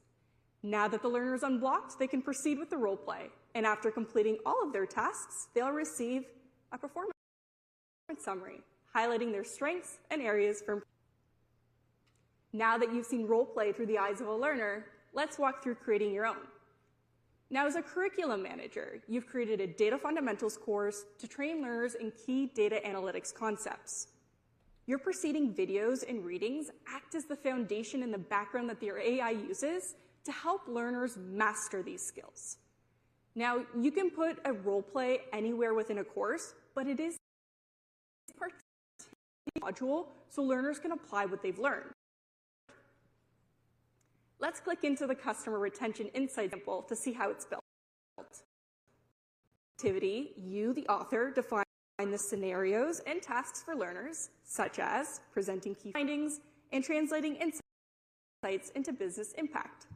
Now that the learner is unblocked, they can proceed with the Role Play, and after completing all of their tasks, they'll receive a performance summary highlighting their strengths and areas for improvement. Now that you've seen Role Play through the eyes of a learner, let's walk through creating your own. Now, as a curriculum manager, you've created a data fundamentals course to train learners in key data analytics concepts. Your preceding videos and readings act as the foundation in the background that the AI uses to help learners master these skills. Now, you can put a Role Play anywhere within a course, but it is part of the module so learners can apply what they've learned. Let's click into the customer retention insights sample to see how it's built. In this activity, you, the author, define the scenarios and tasks for learners, such as presenting key findings and translating insights into business impact.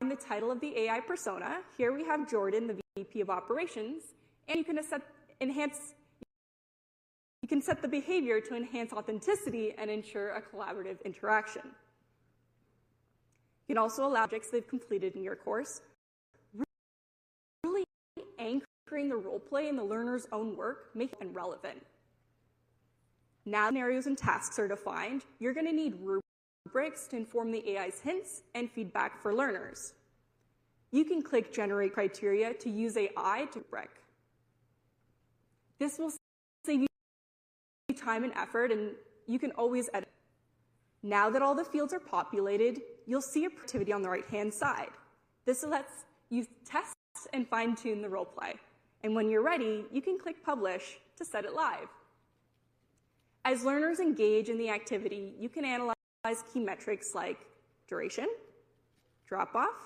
In the title of the AI persona, here we have Jordan, the VP of Operations, and you can enhance the behavior to enhance authenticity and ensure a collaborative interaction. You can also allow projects they've completed in your course. Really anchoring the Role Play in the learner's own work makes it relevant. Now, scenarios and tasks are defined, you're going to need rubrics to inform the AI's hints and feedback for learners. You can click Generate Criteria to use AI to rubric. This will save you time and effort, and you can always edit. Now that all the fields are populated, you'll see a productivity on the right-hand side. This lets you test and fine-tune the Role Play. And when you're ready, you can click Publish to set it live. As learners engage in the activity, you can analyze key metrics like duration, drop-off,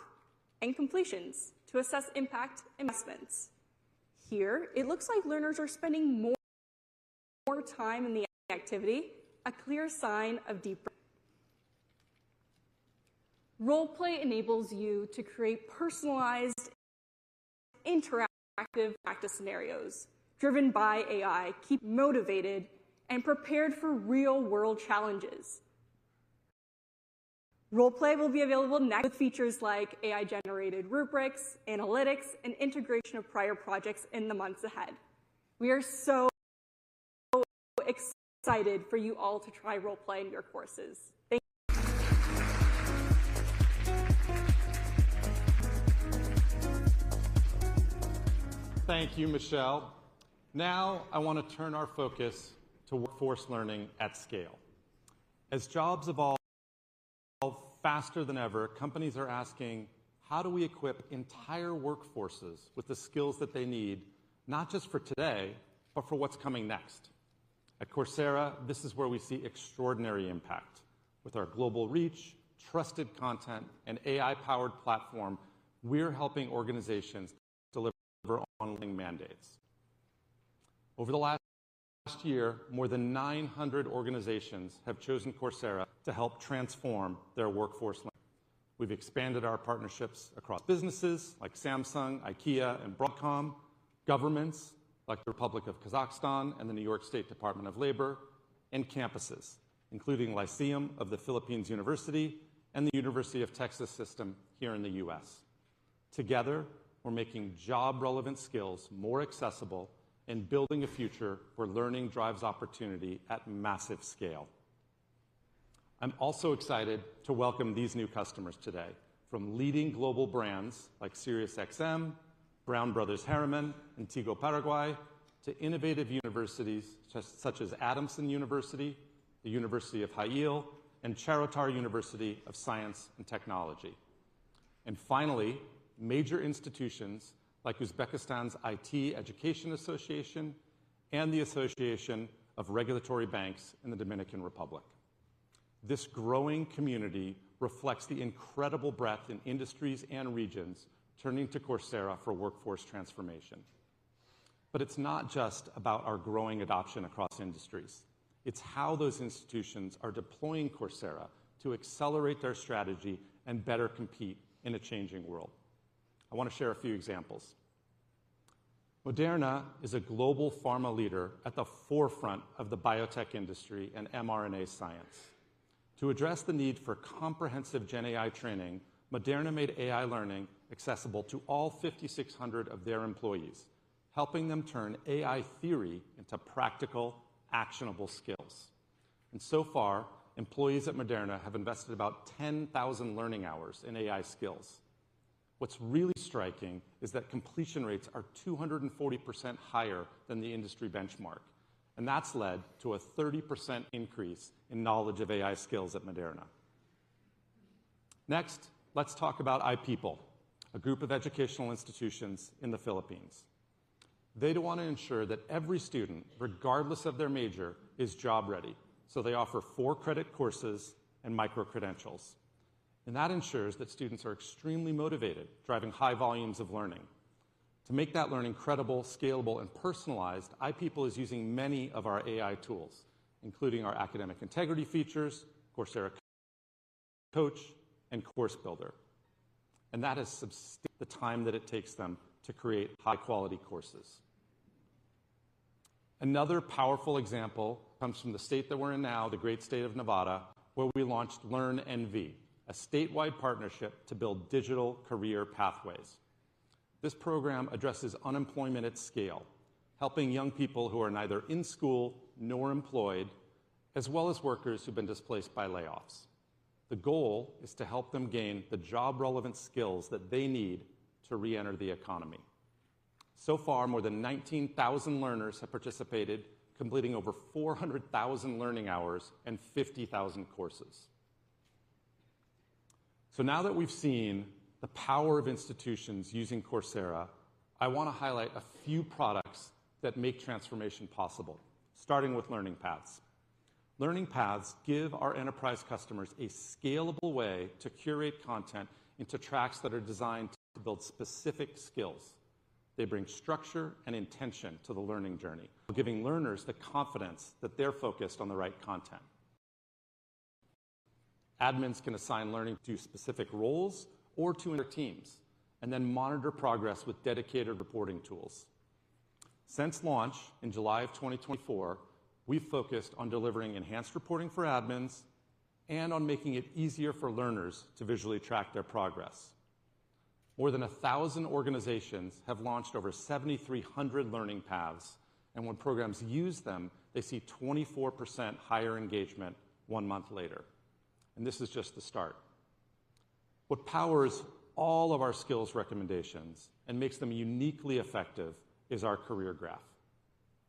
and completions to assess impact and assessments. Here, it looks like learners are spending more time in the activity, a clear sign of deep learning. Role Play enables you to create personalized, interactive practice scenarios driven by AI, keep you motivated and prepared for real-world challenges. Role Play will be available next with features like AI-generated rubrics, analytics, and integration of prior projects in the months ahead. We are so excited for you all to try Role Play in your courses. Thank you. Thank you, Michele. Now I want to turn our focus to workforce learning at scale. As jobs evolve faster than ever, companies are asking, how do we equip entire workforces with the skills that they need, not just for today, but for what's coming next? At Coursera, this is where we see extraordinary impact. With our global reach, trusted content, and AI-powered platform, we're helping organizations deliver ongoing mandates. Over the last year, more than 900 organizations have chosen Coursera to help transform their workforce learning. We've expanded our partnerships across businesses like Samsung, IKEA, and Broadcom, governments like the Republic of Kazakhstan and the New York State Department of Labor, and campuses, including Lyceum of the Philippines University and the University of Texas System here in the U.S. Together, we're making job-relevant skills more accessible and building a future where learning drives opportunity at massive scale. I'm also excited to welcome these new customers today from leading global brands like SiriusXM, Brown Brothers Harriman, and Tigo Paraguay, to innovative universities such as Adamson University, the University of Hail, and Charotar University of Science and Technology and finally major institutions like Uzbekistan's IT Education Association and the Association of Regulatory Banks in the Dominican Republic. This growing community reflects the incredible breadth in industries and regions turning to Coursera for workforce transformation, but it's not just about our growing adoption across industries. It's how those institutions are deploying Coursera to accelerate their strategy and better compete in a changing world. I want to share a few examples. Moderna is a global pharma leader at the forefront of the biotech industry and mRNA science. To address the need for comprehensive GenAI training, Moderna made AI learning accessible to all 5,600 of their employees, helping them turn AI theory into practical, actionable skills. And so far, employees at Moderna have invested about 10,000 learning hours in AI skills. What's really striking is that completion rates are 240% higher than the industry benchmark. And that's led to a 30% increase in knowledge of AI skills at Moderna. Next, let's talk about iPeople, a group of educational institutions in the Philippines. They want to ensure that every student, regardless of their major, is job-ready. So they offer four-credit courses and micro-credentials. And that ensures that students are extremely motivated, driving high volumes of learning. To make that learning credible, scalable, and personalized, iPeople is using many of our AI tools, including our academic integrity features, Coursera Coach, and Course Builder. That has substantially improved the time that it takes them to create high-quality courses. Another powerful example comes from the state that we're in now, the great state of Nevada, where we launched LearnNV, a statewide partnership to build digital career pathways. This program addresses unemployment at scale, helping young people who are neither in school nor employed, as well as workers who've been displaced by layoffs. The goal is to help them gain the job-relevant skills that they need to reenter the economy. So far, more than 19,000 learners have participated, completing over 400,000 learning hours and 50,000 courses. Now that we've seen the power of institutions using Coursera, I want to highlight a few products that make transformation possible, starting with Learning Paths. Learning Paths give our enterprise customers a scalable way to curate content into tracks that are designed to build specific skills. They bring structure and intention to the learning journey, giving learners the confidence that they're focused on the right content. Admins can assign learning to specific roles or to their teams, and then monitor progress with dedicated reporting tools. Since launch in July of 2024, we've focused on delivering enhanced reporting for admins and on making it easier for learners to visually track their progress. More than 1,000 organizations have launched over 7,300 learning paths. When programs use them, they see 24% higher engagement one month later. This is just the start. What powers all of our skills recommendations and makes them uniquely effective is our career graph.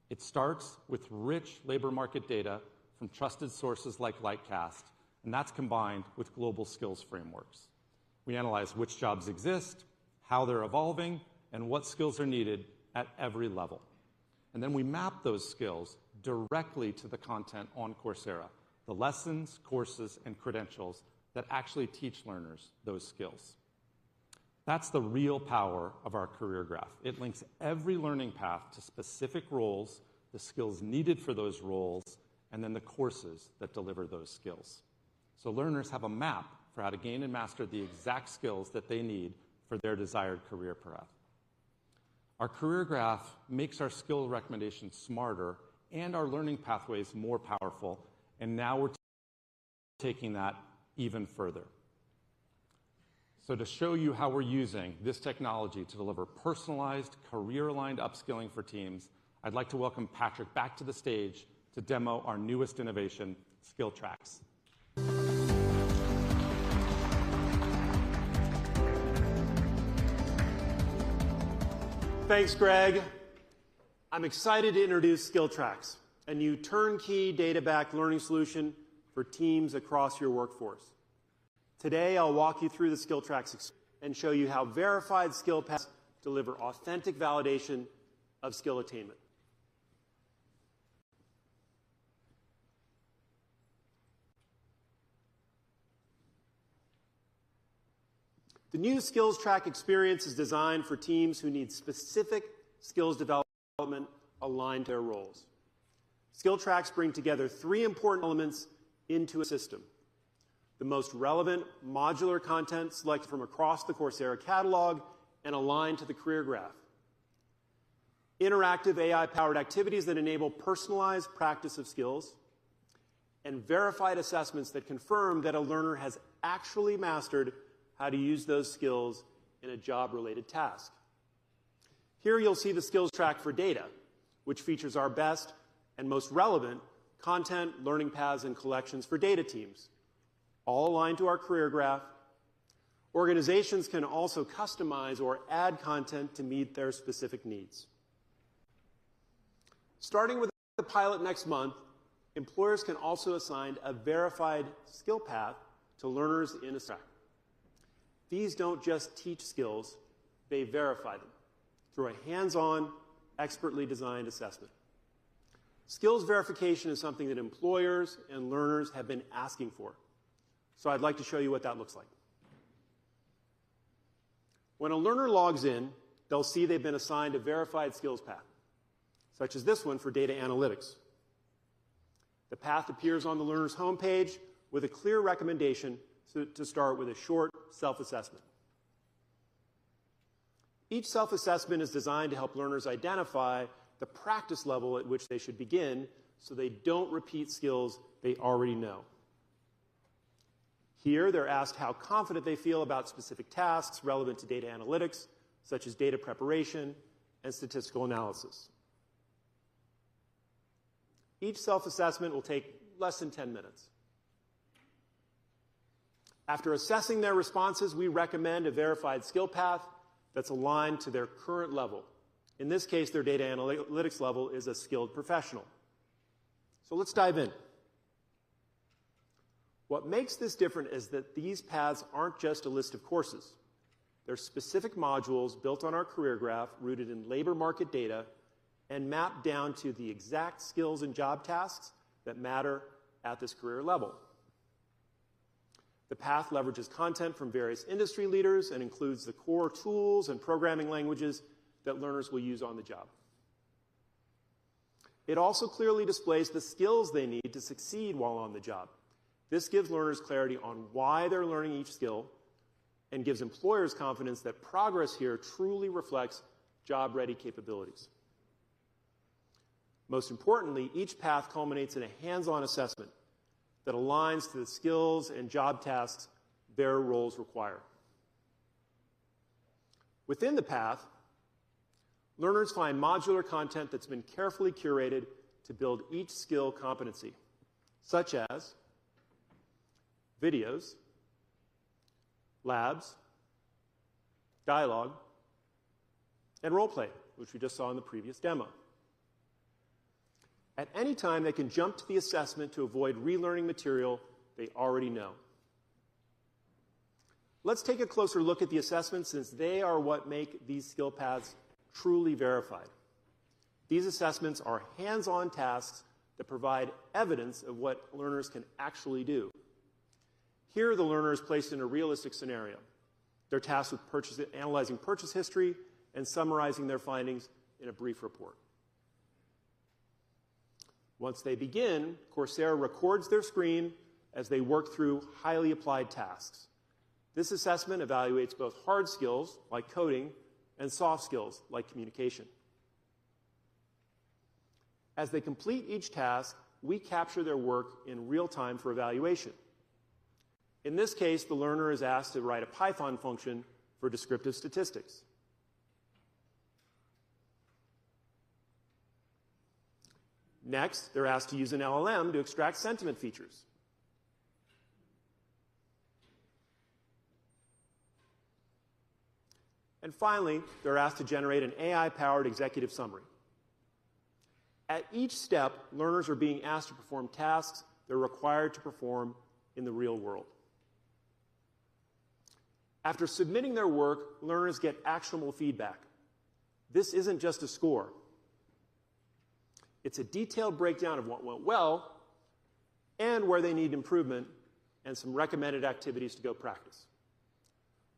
It starts with rich labor market data from trusted sources like LightCast, and that's combined with global skills frameworks. We analyze which jobs exist, how they're evolving, and what skills are needed at every level. And then we map those skills directly to the content on Coursera, the lessons, courses, and credentials that actually teach learners those skills. That's the real power of our career graph. It links every learning path to specific roles, the skills needed for those roles, and then the courses that deliver those skills. So learners have a map for how to gain and master the exact skills that they need for their desired career path. Our career graph makes our skill recommendations smarter and our learning pathways more powerful. And now we're taking that even further. So to show you how we're using this technology to deliver personalized, career-aligned upskilling for teams, I'd like to welcome Patrick back to the stage to demo our newest innovation, SkillTracks. Thanks, Greg. I'm excited to introduce SkillTracks, a new turnkey data-backed learning solution for teams across your workforce. Today, I'll walk you through the SkillTracks and show you how verified skill paths deliver authentic validation of skill attainment. The new SkillTracks experience is designed for teams who need specific skills development aligned to their roles. SkillTracks bring together three important elements into a system. The most relevant modular content selected from across the Coursera catalog and aligned to the career graph. Interactive AI-powered activities that enable personalized practice of skills and verified assessments that confirm that a learner has actually mastered how to use those skills in a job-related task. Here you'll see the SkillTracks for Data, which features our best and most relevant content, learning paths, and collections for data teams, all aligned to our career graph. Organizations can also customize or add content to meet their specific needs. Starting with the pilot next month, employers can also assign a verified skill path to learners in a SkillTracks. These don't just teach skills; they verify them through a hands-on, expertly designed assessment. Skills verification is something that employers and learners have been asking for. So I'd like to show you what that looks like. When a learner logs in, they'll see they've been assigned a verified skills path, such as this one for data analytics. The path appears on the learner's homepage with a clear recommendation to start with a short self-assessment. Each self-assessment is designed to help learners identify the practice level at which they should begin so they don't repeat skills they already know. Here, they're asked how confident they feel about specific tasks relevant to data analytics, such as data preparation and statistical analysis. Each self-assessment will take less than 10 minutes. After assessing their responses, we recommend a verified skill path that's aligned to their current level. In this case, their data analytics level is a skilled professional. So let's dive in. What makes this different is that these paths aren't just a list of courses. They're specific modules built on our career graph, rooted in labor market data, and mapped down to the exact skills and job tasks that matter at this career level. The path leverages content from various industry leaders and includes the core tools and programming languages that learners will use on the job. It also clearly displays the skills they need to succeed while on the job. This gives learners clarity on why they're learning each skill and gives employers confidence that progress here truly reflects job-ready capabilities. Most importantly, each path culminates in a hands-on assessment that aligns to the skills and job tasks their roles require. Within the path, learners find modular content that's been carefully curated to build each skill competency, such as videos, labs, dialogue, and role play, which we just saw in the previous demo. At any time, they can jump to the assessment to avoid relearning material they already know. Let's take a closer look at the assessments since they are what make these skill paths truly verified. These assessments are hands-on tasks that provide evidence of what learners can actually do. Here, the learner is placed in a realistic scenario. They're tasked with analyzing purchase history and summarizing their findings in a brief report. Once they begin, Coursera records their screen as they work through highly applied tasks. This assessment evaluates both hard skills like coding and soft skills like communication. As they complete each task, we capture their work in real time for evaluation. In this case, the learner is asked to write a Python function for descriptive statistics. Next, they're asked to use an LLM to extract sentiment features. And finally, they're asked to generate an AI-powered executive summary. At each step, learners are being asked to perform tasks they're required to perform in the real world. After submitting their work, learners get actionable feedback. This isn't just a score. It's a detailed breakdown of what went well and where they need improvement and some recommended activities to go practice.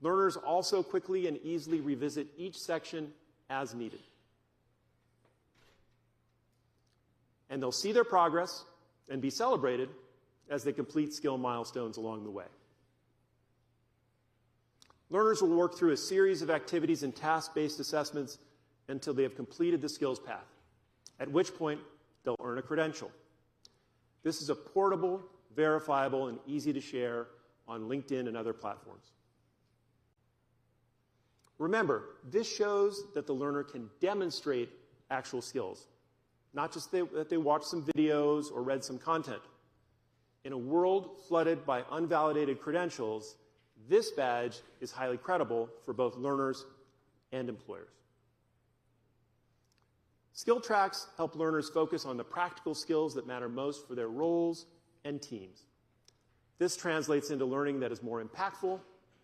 Learners also quickly and easily revisit each section as needed. And they'll see their progress and be celebrated as they complete skill milestones along the way. Learners will work through a series of activities and task-based assessments until they have completed the skills path, at which point they'll earn a credential. This is a portable, verifiable, and easy-to-share on LinkedIn and other platforms. Remember, this shows that the learner can demonstrate actual skills, not just that they watched some videos or read some content. In a world flooded by unvalidated credentials, this badge is highly credible for both learners and employers. SkillTracks help learners focus on the practical skills that matter most for their roles and teams. This translates into learning that is more impactful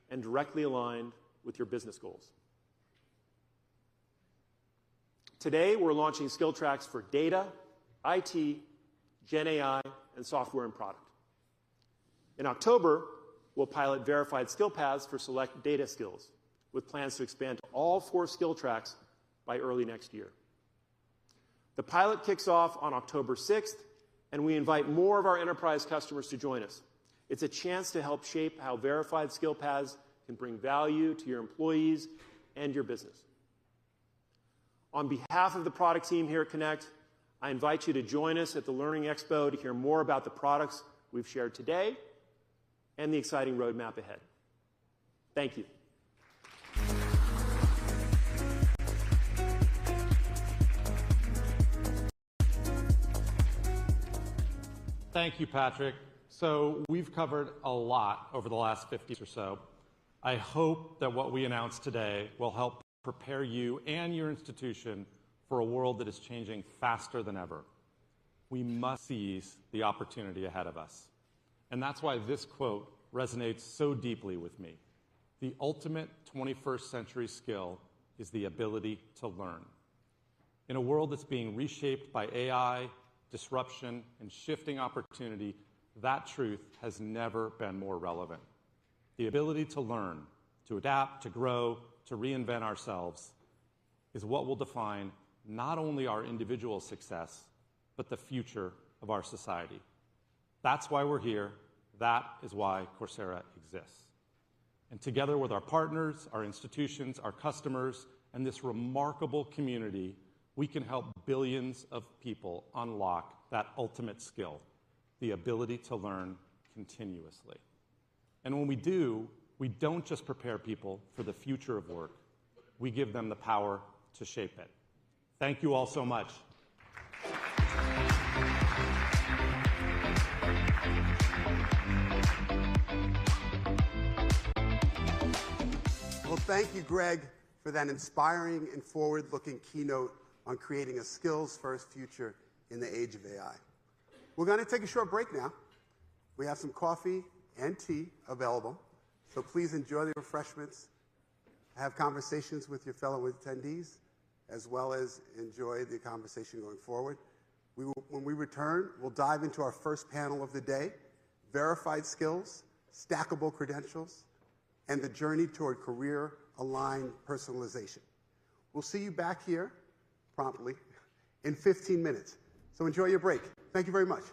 and directly aligned with your business goals. Today, we're launching SkillTracks for Data, IT, GenAI, and Software and Product. In October, we'll pilot verified skill paths for select data skills, with plans to expand to all four SkillTracks by early next year. The pilot kicks off on October 6th, and we invite more of our enterprise customers to join us. It's a chance to help shape how verified skill paths can bring value to your employees and your business. On behalf of the product team here at Connect, I invite you to join us at the Learning Expo to hear more about the products we've shared today and the exciting roadmap ahead. Thank you. Thank you, Patrick. So we've covered a lot over the last 50 or so. I hope that what we announced today will help prepare you and your institution for a world that is changing faster than ever. We must seize the opportunity ahead of us. And that's why this quote resonates so deeply with me. The ultimate 21st-century skill is the ability to learn. In a world that's being reshaped by AI, disruption, and shifting opportunity, that truth has never been more relevant. The ability to learn, to adapt, to grow, to reinvent ourselves is what will define not only our individual success, but the future of our society. That's why we're here. That is why Coursera exists. And together with our partners, our institutions, our customers, and this remarkable community, we can help billions of people unlock that ultimate skill: the ability to learn continuously. And when we do, we don't just prepare people for the future of work. We give them the power to shape it. Thank you all so much. Well, thank you, Greg, for that inspiring and forward-looking keynote on creating a skills-first future in the age of AI. We're going to take a short break now. We have some coffee and tea available, so please enjoy the refreshments. Have conversations with your fellow attendees, as well as enjoy the conversation going forward. When we return, we'll dive into our first panel of the day: verified skills, stackable credentials, and the journey toward career-aligned personalization. We'll see you back here promptly in 15 minutes. So enjoy your break. Thank you very much.